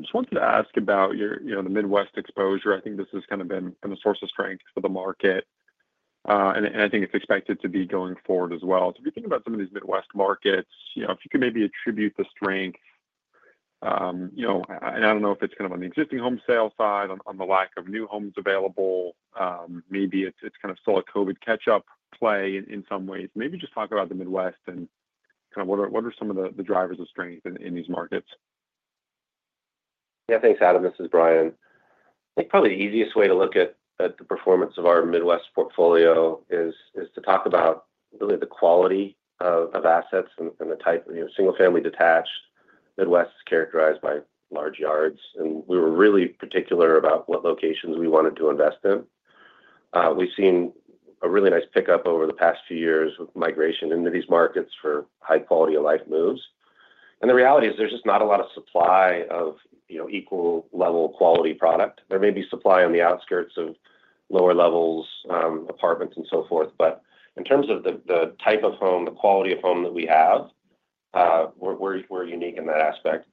Just wanted to ask about the Midwest exposure. I think this has kind of been a source of strength for the market, and I think it's expected to be going forward as well. So if you think about some of these Midwest markets, if you could maybe attribute the strength, and I don't know if it's kind of on the existing home sale side, on the lack of new homes available, maybe it's kind of still a COVID catch-up play in some ways. Maybe just talk about the Midwest and kind of what are some of the drivers of strength in these markets? Yeah. Thanks, Adam. This is Bryan. I think probably the easiest way to look at the performance of our Midwest portfolio is to talk about really the quality of assets and the type of single-family detached. Midwest is characterized by large yards, and we were really particular about what locations we wanted to invest in. We've seen a really nice pickup over the past few years with migration into these markets for high-quality-of-life moves. And the reality is there's just not a lot of supply of equal-level quality product. There may be supply on the outskirts of lower-level apartments and so forth. But in terms of the type of home, the quality of home that we have, we're unique in that aspect.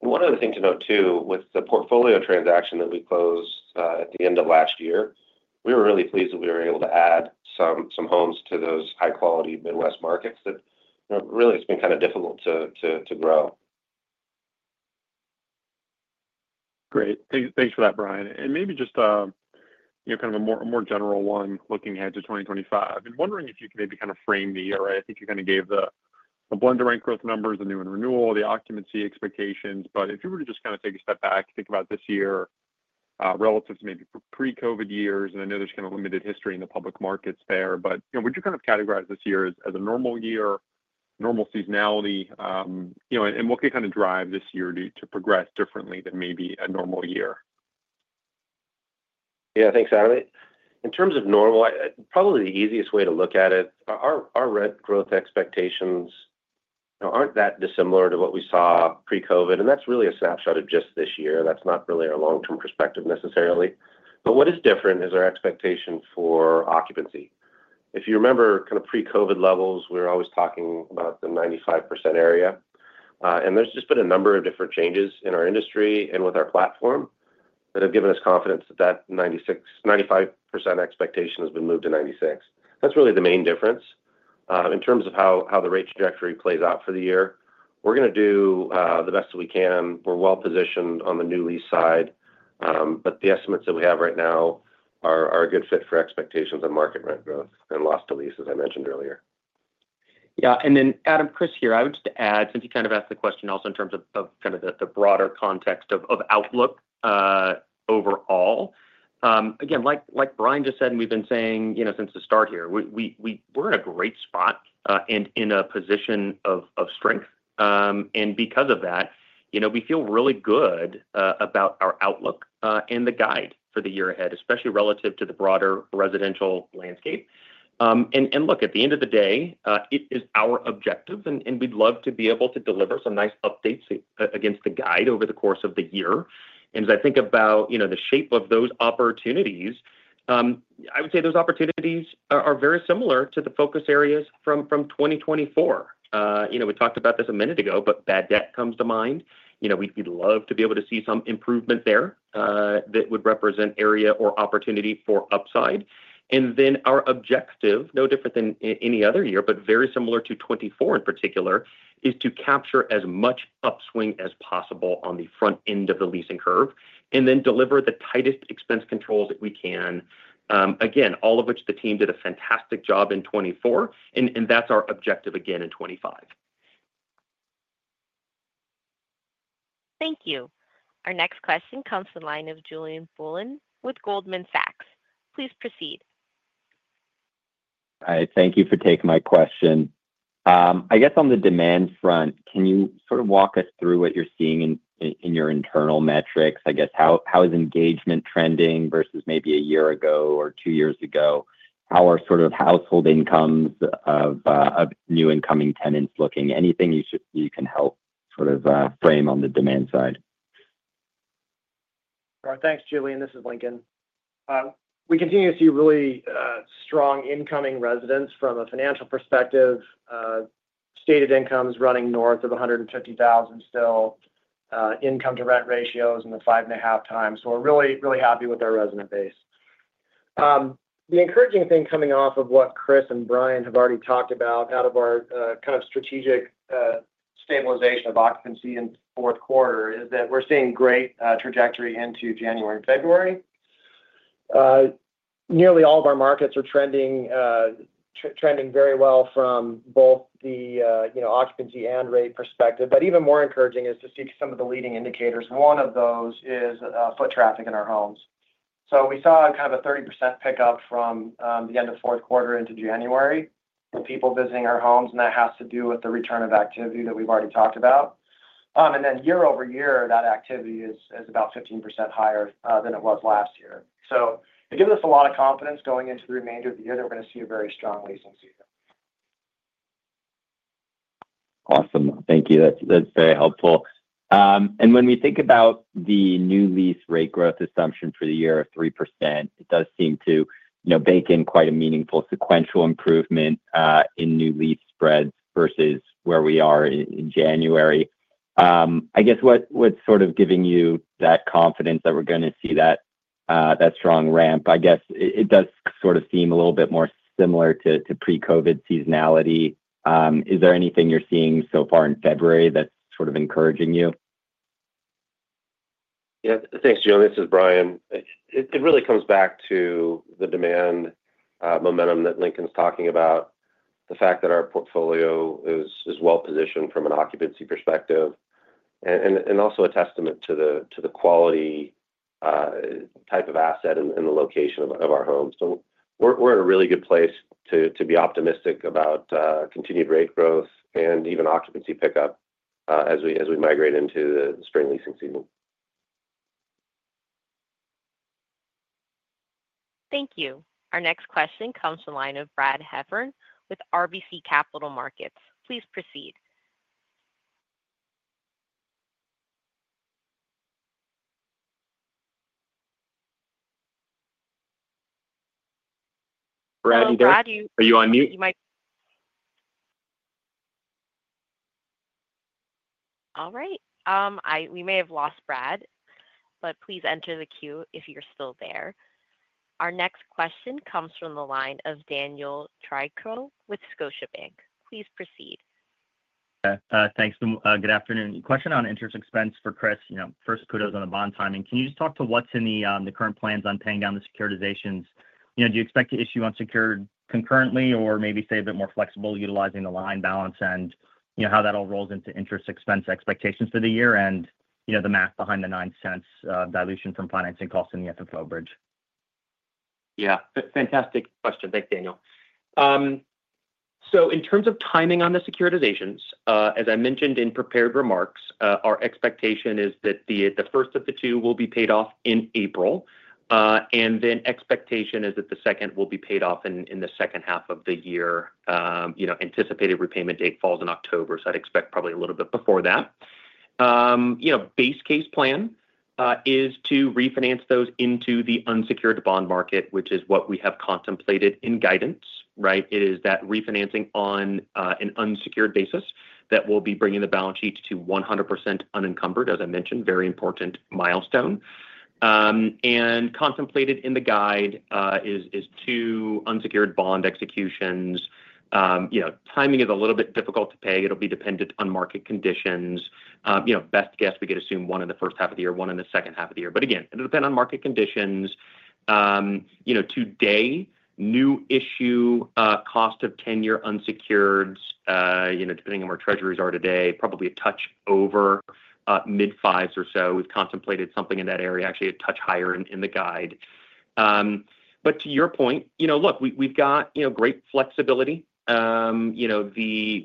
One other thing to note too, with the portfolio transaction that we closed at the end of last year, we were really pleased that we were able to add some homes to those high-quality Midwest markets that really it's been kind of difficult to grow. Great. Thanks for that, Bryan. And maybe just kind of a more general one looking ahead to 2025. I'm wondering if you can maybe kind of frame the year, right? I think you kind of gave the blended rent growth numbers, the new and renewal, the occupancy expectations. But if you were to just kind of take a step back, think about this year relative to maybe pre-COVID years, and I know there's kind of limited history in the public markets there. But would you kind of categorize this year as a normal year, normal seasonality? And what could kind of drive this year to progress differently than maybe a normal year? Yeah. Thanks, Adam. In terms of normal, probably the easiest way to look at it, our rent growth expectations aren't that dissimilar to what we saw pre-COVID. And that's really a snapshot of just this year. That's not really our long-term perspective necessarily. But what is different is our expectation for occupancy. If you remember kind of pre-COVID levels, we were always talking about the 95% area. And there's just been a number of different changes in our industry and with our platform that have given us confidence that that 95% expectation has been moved to 96%. That's really the main difference. In terms of how the rate trajectory plays out for the year, we're going to do the best that we can. We're well-positioned on the new lease side. But the estimates that we have right now are a good fit for expectations on market rent growth and loss to lease, as I mentioned earlier. Yeah, and then, Adam, Chris here. I would just add, since you kind of asked the question also in terms of kind of the broader context of outlook overall, again, like Bryan just said, and we've been saying since the start here, we're in a great spot and in a position of strength, and because of that, we feel really good about our outlook and the guide for the year ahead, especially relative to the broader residential landscape, and look, at the end of the day, it is our objective, and we'd love to be able to deliver some nice updates against the guide over the course of the year, and as I think about the shape of those opportunities, I would say those opportunities are very similar to the focus areas from 2024. We talked about this a minute ago, but bad debt comes to mind. We'd love to be able to see some improvement there that would represent area or opportunity for upside, and then our objective, no different than any other year, but very similar to 2024 in particular, is to capture as much upswing as possible on the front end of the leasing curve and then deliver the tightest expense controls that we can. Again, all of which the team did a fantastic job in 2024, and that's our objective again in 2025. Thank you. Our next question comes from the line of Julien Blouinn with Goldman Sachs. Please proceed. Hi. Thank you for taking my question. I guess on the demand front, can you sort of walk us through what you're seeing in your internal metrics? I guess how is engagement trending versus maybe a year ago or two years ago? How are sort of household incomes of new incoming tenants looking? Anything you can help sort of frame on the demand side. Thanks, Julien. This is Lincoln. We continue to see really strong incoming residents from a financial perspective. Stated incomes running north of 150,000 still, income-to-rent ratios in the five and a half times. So we're really, really happy with our resident base. The encouraging thing coming off of what Chris and Bryan have already talked about out of our kind of strategic stabilization of occupancy in fourth quarter is that we're seeing great trajectory into January and February. Nearly all of our markets are trending very well from both the occupancy and rate perspective. But even more encouraging is to see some of the leading indicators. One of those is foot traffic in our homes. So we saw kind of a 30% pickup from the end of fourth quarter into January of people visiting our homes, and that has to do with the return of activity that we've already talked about. And then year-over-year, that activity is about 15% higher than it was last year. So it gives us a lot of confidence going into the remainder of the year that we're going to see a very strong leasing season. Awesome. Thank you. That's very helpful, and when we think about the new lease rate growth assumption for the year of 3%, it does seem to bake in quite a meaningful sequential improvement in new lease spreads versus where we are in January. I guess what's sort of giving you that confidence that we're going to see that strong ramp? I guess it does sort of seem a little bit more similar to pre-COVID seasonality. Is there anything you're seeing so far in February that's sort of encouraging you? Yeah. Thanks, Julien. This is Bryan. It really comes back to the demand momentum that Lincoln's talking about, the fact that our portfolio is well-positioned from an occupancy perspective, and also a testament to the quality type of asset and the location of our homes. So we're in a really good place to be optimistic about continued rate growth and even occupancy pickup as we migrate into the spring leasing season. Thank you. Our next question comes from the line of Brad Heffern with RBC Capital Markets. Please proceed. Brad, are you on mute? All right. We may have lost Brad, but please enter the queue if you're still there. Our next question comes from the line of Daniel Tricarico with Scotiabank. Please proceed. Thanks. Good afternoon. Question on interest expense for Chris. First, kudos on the bond timing. Can you just talk to what's in the current plans on paying down the securitizations? Do you expect to issue unsecured concurrently or maybe stay a bit more flexible utilizing the line balance and how that all rolls into interest expense expectations for the year and the math behind the $0.09 dilution from financing costs in the FFO bridge? Yeah. Fantastic question. Thanks, Daniel. So in terms of timing on the securitizations, as I mentioned in prepared remarks, our expectation is that the first of the two will be paid off in April. And then expectation is that the second will be paid off in the second half of the year. Anticipated repayment date falls in October, so I'd expect probably a little bit before that. Base case plan is to refinance those into the unsecured bond market, which is what we have contemplated in guidance, right? It is that refinancing on an unsecured basis that will be bringing the balance sheet to 100% unencumbered, as I mentioned, very important milestone. And contemplated in the guide is two unsecured bond executions. Timing is a little bit difficult to say. It'll be dependent on market conditions. Best guess, we could assume one in the first half of the year, one in the second half of the year. But again, it'll depend on market conditions. Today, new issue cost of 10-year unsecured, depending on where treasuries are today, probably a touch over mid-fives or so. We've contemplated something in that area, actually a touch higher in the guide. But to your point, look, we've got great flexibility.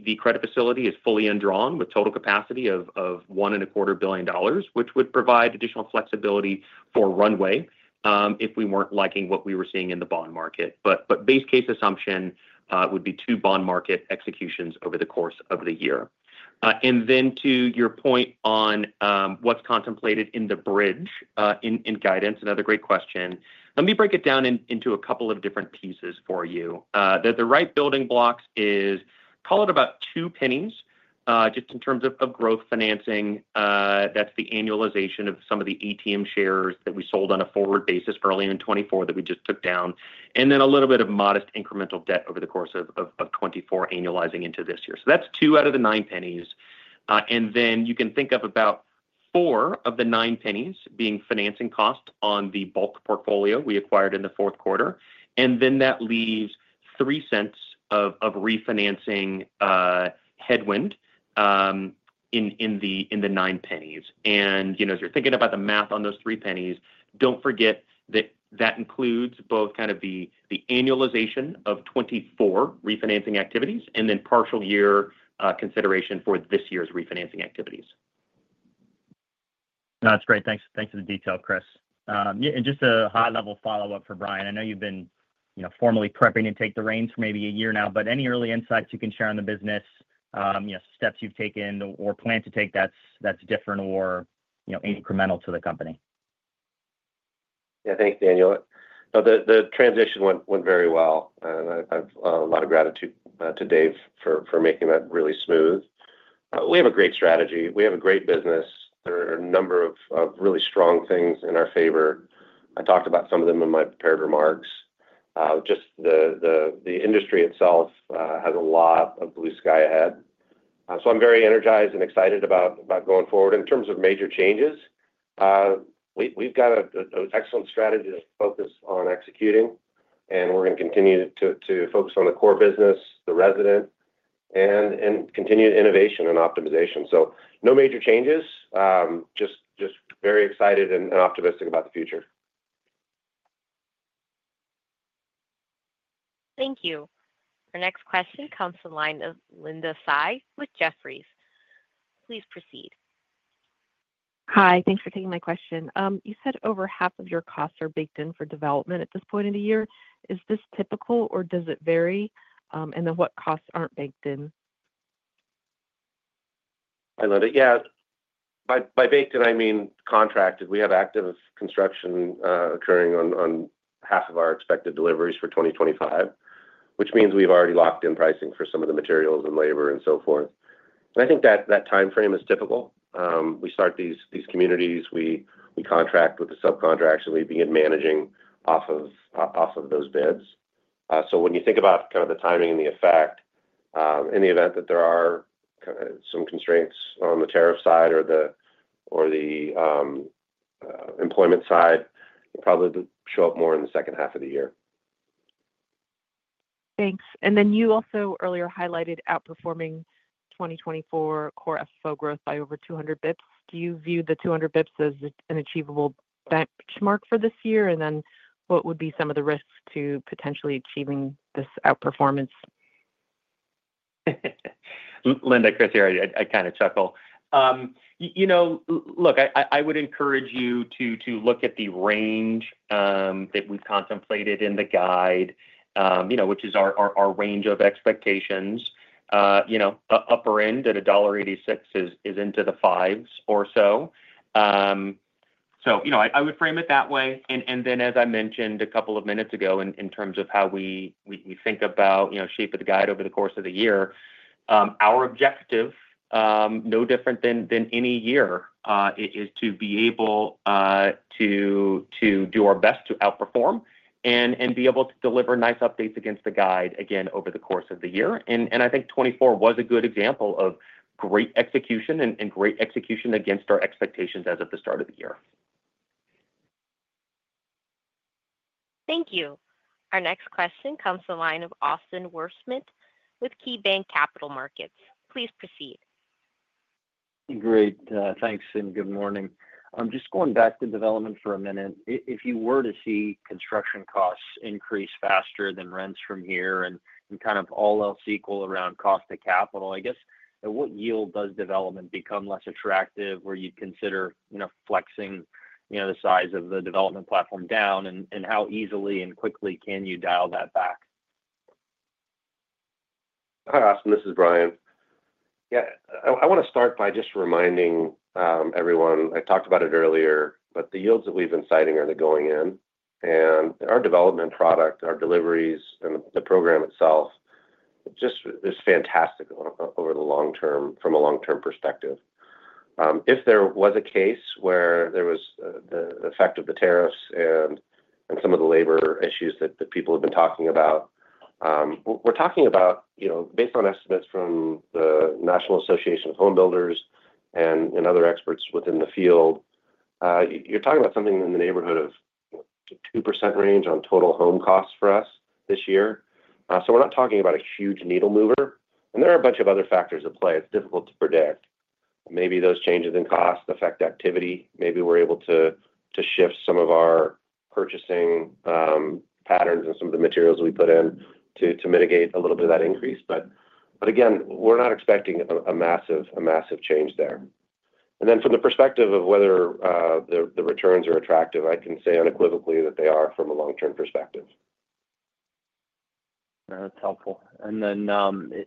The credit facility is fully undrawn with total capacity of $1.25 billion, which would provide additional flexibility for runway if we weren't liking what we were seeing in the bond market. But base case assumption would be two bond market executions over the course of the year. And then to your point on what's contemplated in the bridge in guidance, another great question. Let me break it down into a couple of different pieces for you. The right building blocks is, call it about $0.02 just in terms of growth financing. That's the annualization of some of the ATM shares that we sold on a forward basis early in 2024 that we just took down. And then a little bit of modest incremental debt over the course of 2024 annualizing into this year. So that's $0.02 out of the $0.09. And then you can think of about $0.04 of the $0.09 being financing costs on the bulk portfolio we acquired in the fourth quarter. And then that leaves $0.03 of refinancing headwind in the $0.09. And as you're thinking about the math on those $0.03, don't forget that that includes both kind of the annualization of 2024 refinancing activities and then partial year consideration for this year's refinancing activities. That's great. Thanks for the detail, Chris. And just a high-level follow-up for Bryan. I know you've been formally prepping to take the reins for maybe a year now, but any early insights you can share on the business, steps you've taken or plan to take that's different or incremental to the company? Yeah. Thanks, Daniel. The transition went very well, and I have a lot of gratitude to Dave for making that really smooth. We have a great strategy. We have a great business. There are a number of really strong things in our favor. I talked about some of them in my prepared remarks. Just the industry itself has a lot of blue sky ahead, so I'm very energized and excited about going forward. In terms of major changes, we've got an excellent strategy to focus on executing, and we're going to continue to focus on the core business, the resident, and continue innovation and optimization, so no major changes. Just very excited and optimistic about the future. Thank you. Our next question comes from the line of Linda Tsai with Jefferies. Please proceed. Hi. Thanks for taking my question. You said over half of your costs are baked in for development at this point in the year. Is this typical or does it vary? And then what costs aren't baked in? I love it. Yeah. By baked in, I mean contracted. We have active construction occurring on half of our expected deliveries for 2025, which means we've already locked in pricing for some of the materials and labor and so forth, and I think that timeframe is typical. We start these communities. We contract with the subcontractors, and we begin managing off of those bids. So when you think about kind of the timing and the effect, in the event that there are some constraints on the tariff side or the employment side, it'll probably show up more in the second-half of the year. Thanks. And then you also earlier highlighted outperforming 2024 core FFO growth by over 200 basis points. Do you view the 200 basis points as an achievable benchmark for this year? And then what would be some of the risks to potentially achieving this outperformance? Linda, Chris here. I kind of chuckle. Look, I would encourage you to look at the range that we've contemplated in the guide, which is our range of expectations. Upper end at $1.86 is into the fives or so. So I would frame it that way. And then, as I mentioned a couple of minutes ago, in terms of how we think about the shape of the guide over the course of the year, our objective, no different than any year, is to be able to do our best to outperform and be able to deliver nice updates against the guide again over the course of the year. And I think 2024 was a good example of great execution and great execution against our expectations as of the start of the year. Thank you. Our next question comes from the line of Austin Wurschmidt with KeyBanc Capital Markets. Please proceed. Great. Thanks and good morning. Just going back to development for a minute, if you were to see construction costs increase faster than rents from here and kind of all else equal around cost of capital, I guess at what yield does development become less attractive where you'd consider flexing the size of the development platform down? And how easily and quickly can you dial that back? Hi, Austin. This is Bryan. Yeah. I want to start by just reminding everyone. I talked about it earlier, but the yields that we've been citing are the going in, and our development product, our deliveries, and the program itself just is fantastic over the long term from a long-term perspective. If there was a case where there was the effect of the tariffs and some of the labor issues that people have been talking about, we're talking about, based on estimates from the National Association of Home Builders and other experts within the field, you're talking about something in the neighborhood of 2% range on total home costs for us this year, so we're not talking about a huge needle mover, and there are a bunch of other factors at play. It's difficult to predict. Maybe those changes in costs affect activity. Maybe we're able to shift some of our purchasing patterns and some of the materials we put in to mitigate a little bit of that increase. But again, we're not expecting a massive change there. And then from the perspective of whether the returns are attractive, I can say unequivocally that they are from a long-term perspective. That's helpful. And then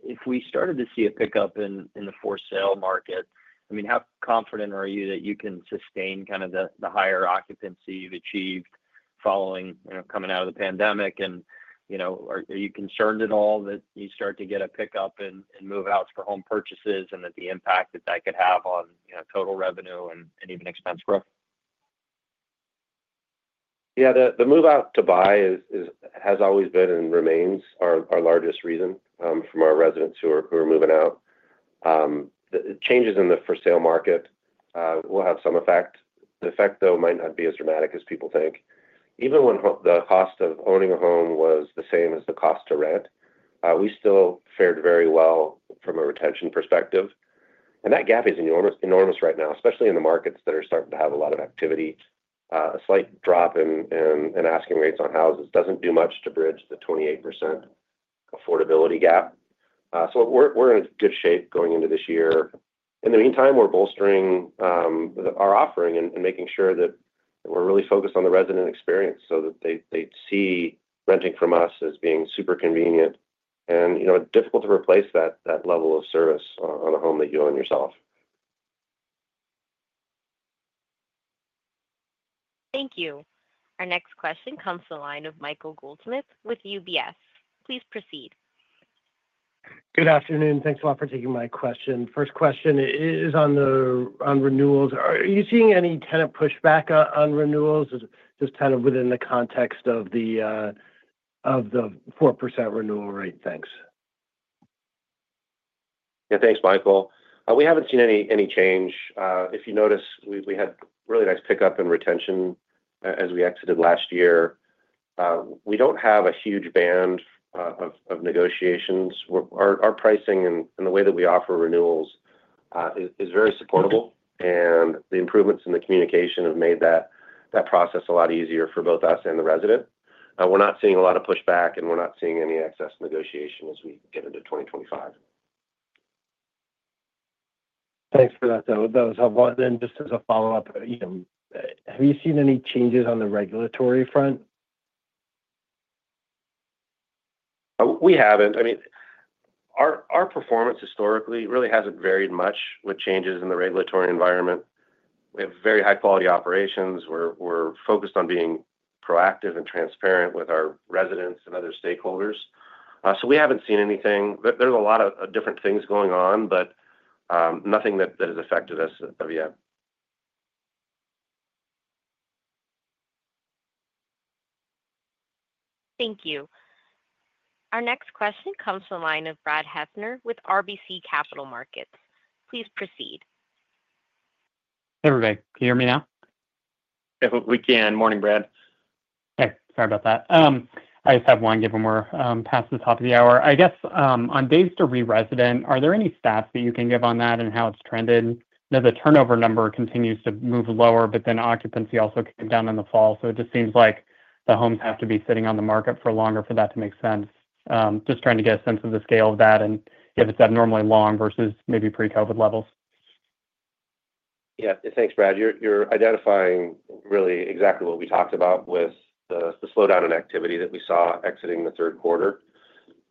if we started to see a pickup in the for sale market, I mean, how confident are you that you can sustain kind of the higher occupancy you've achieved following coming out of the pandemic? And are you concerned at all that you start to get a pickup and move out for home purchases and that the impact that that could have on total revenue and even expense growth? Yeah. The move out to buy has always been and remains our largest reason from our residents who are moving out. The changes in the for sale market will have some effect. The effect, though, might not be as dramatic as people think. Even when the cost of owning a home was the same as the cost to rent, we still fared very well from a retention perspective, and that gap is enormous right now, especially in the markets that are starting to have a lot of activity. A slight drop in asking rates on houses doesn't do much to bridge the 28% affordability gap, so we're in good shape going into this year. In the meantime, we're bolstering our offering and making sure that we're really focused on the resident experience so that they see renting from us as being super convenient. It's difficult to replace that level of service on a home that you own yourself. Thank you. Our next question comes from the line of Michael Goldsmith with UBS. Please proceed. Good afternoon. Thanks a lot for taking my question. First question is on renewals. Are you seeing any kind of pushback on renewals? Just kind of within the context of the 4% renewal rate. Thanks. Yeah. Thanks, Michael. We haven't seen any change. If you notice, we had a really nice pickup in retention as we exited last year. We don't have a huge band of negotiations. Our pricing and the way that we offer renewals is very supportable, and the improvements in the communication have made that process a lot easier for both us and the resident. We're not seeing a lot of pushback, and we're not seeing any excess negotiation as we get into 2025. Thanks for that. That was helpful, and then just as a follow-up, have you seen any changes on the regulatory front? We haven't. I mean, our performance historically really hasn't varied much with changes in the regulatory environment. We have very high-quality operations. We're focused on being proactive and transparent with our residents and other stakeholders. So we haven't seen anything. There's a lot of different things going on, but nothing that has affected us as of yet. Thank you. Our next question comes from the line of Brad Heffern with RBC Capital Markets. Please proceed. Hey, everybody. Can you hear me now? If we can. Morning, Brad. Hey. Sorry about that. I just have one given we're past the top of the hour. I guess on days to re-resident, are there any stats that you can give on that and how it's trended? I know the turnover number continues to move lower, but then occupancy also came down in the fall. So it just seems like the homes have to be sitting on the market for longer for that to make sense. Just trying to get a sense of the scale of that and if it's abnormally long versus maybe pre-COVID levels. Yeah. Thanks, Brad. You're identifying really exactly what we talked about with the slowdown in activity that we saw exiting the third quarter,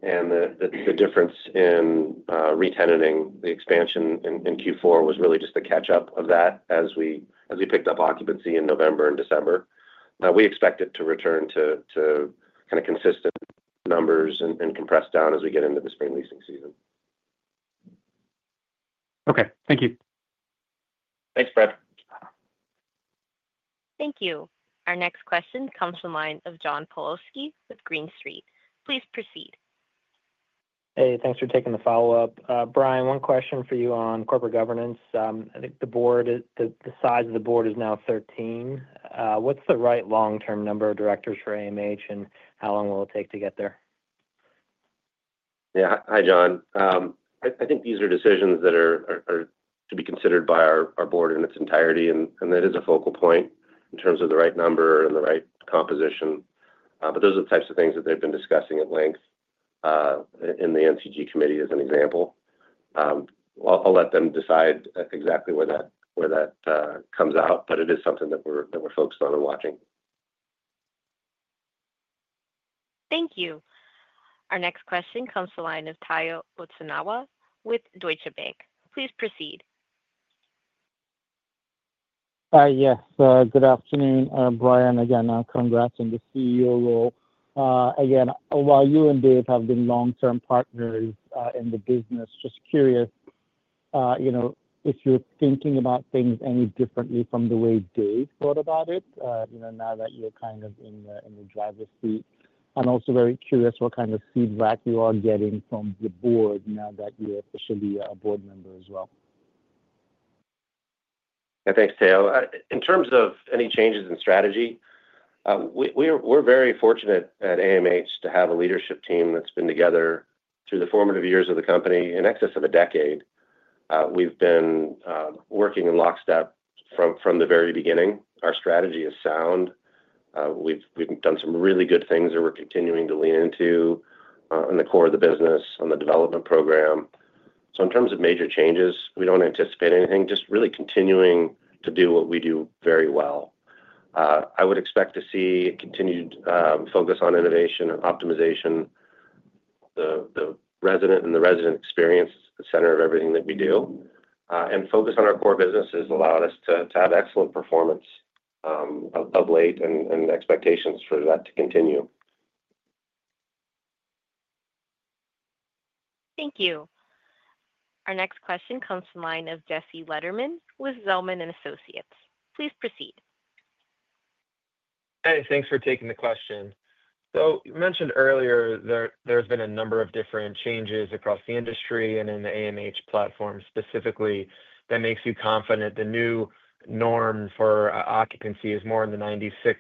and the difference in re-renting the expansion in Q4 was really just the catch-up of that as we picked up occupancy in November and December. We expect it to return to kind of consistent numbers and compress down as we get into the spring leasing season. Okay. Thank you. Thanks, Brad. Thank you. Our next question comes from the line of John Pawlowski with Green Street Advisors. Please proceed. Hey. Thanks for taking the follow-up. Bryan, one question for you on corporate governance. I think the size of the board is now 13. What's the right long-term number of directors for AMH, and how long will it take to get there? Yeah. Hi, John. I think these are decisions that are to be considered by our board in its entirety, and that is a focal point in terms of the right number and the right composition, but those are the types of things that they've been discussing at length in the NCG committee as an example. I'll let them decide exactly where that comes out, but it is something that we're focused on and watching. Thank you. Our next question comes from the line of Tayo Okusanya with Deutsche Bank. Please proceed. Hi. Yes. Good afternoon. Bryan, again, congrats on the CEO role. Again, while you and Dave have been long-term partners in the business, just curious if you're thinking about things any differently from the way Dave thought about it now that you're kind of in the driver's seat. I'm also very curious what kind of feedback you are getting from the board now that you're officially a board member as well. Yeah. Thanks, Tayo. In terms of any changes in strategy, we're very fortunate at AMH to have a leadership team that's been together through the formative years of the company in excess of a decade. We've been working in lockstep from the very beginning. Our strategy is sound. We've done some really good things that we're continuing to lean into in the core of the business on the development program. So in terms of major changes, we don't anticipate anything. Just really continuing to do what we do very well. I would expect to see continued focus on innovation and optimization. The resident and the resident experience is at the center of everything that we do, and focus on our core business has allowed us to have excellent performance of late and expectations for that to continue. Thank you. Our next question comes from the line of Jesse Lederman with Zelman & Associates. Please proceed. Hey. Thanks for taking the question. So you mentioned earlier there's been a number of different changes across the industry and in the AMH platform specifically that makes you confident the new norm for occupancy is more in the 96%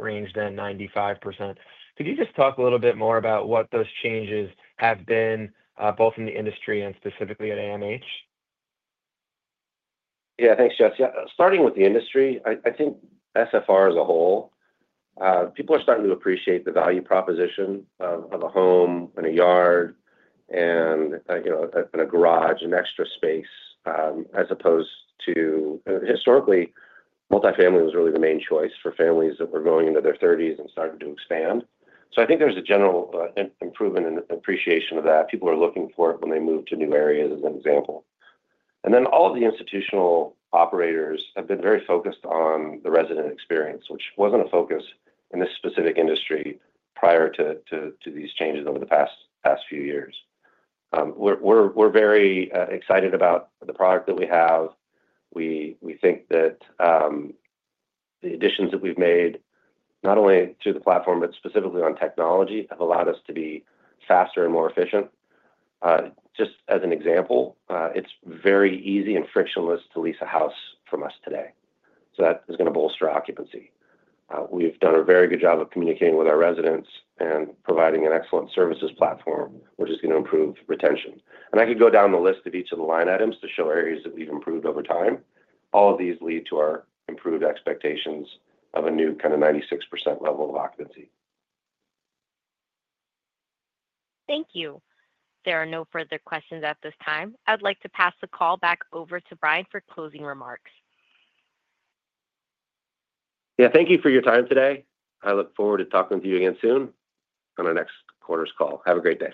range than 95%. Could you just talk a little bit more about what those changes have been both in the industry and specifically at AMH? Yeah. Thanks, Jess. Yeah. Starting with the industry, I think SFR as a whole, people are starting to appreciate the value proposition of a home and a yard and a garage, an extra space as opposed to historically, multifamily was really the main choice for families that were going into their 30s and starting to expand. So I think there's a general improvement in appreciation of that. People are looking for it when they move to new areas, as an example, and then all of the institutional operators have been very focused on the resident experience, which wasn't a focus in this specific industry prior to these changes over the past few years. We're very excited about the product that we have. We think that the additions that we've made, not only through the platform, but specifically on technology, have allowed us to be faster and more efficient. Just as an example, it's very easy and frictionless to lease a house from us today. So that is going to bolster occupancy. We've done a very good job of communicating with our residents and providing an excellent services platform, which is going to improve retention. And I could go down the list of each of the line items to show areas that we've improved over time. All of these lead to our improved expectations of a new kind of 96% level of occupancy. Thank you. There are no further questions at this time. I would like to pass the call back over to Bryan for closing remarks. Yeah. Thank you for your time today. I look forward to talking with you again soon on our next quarter's call. Have a great day.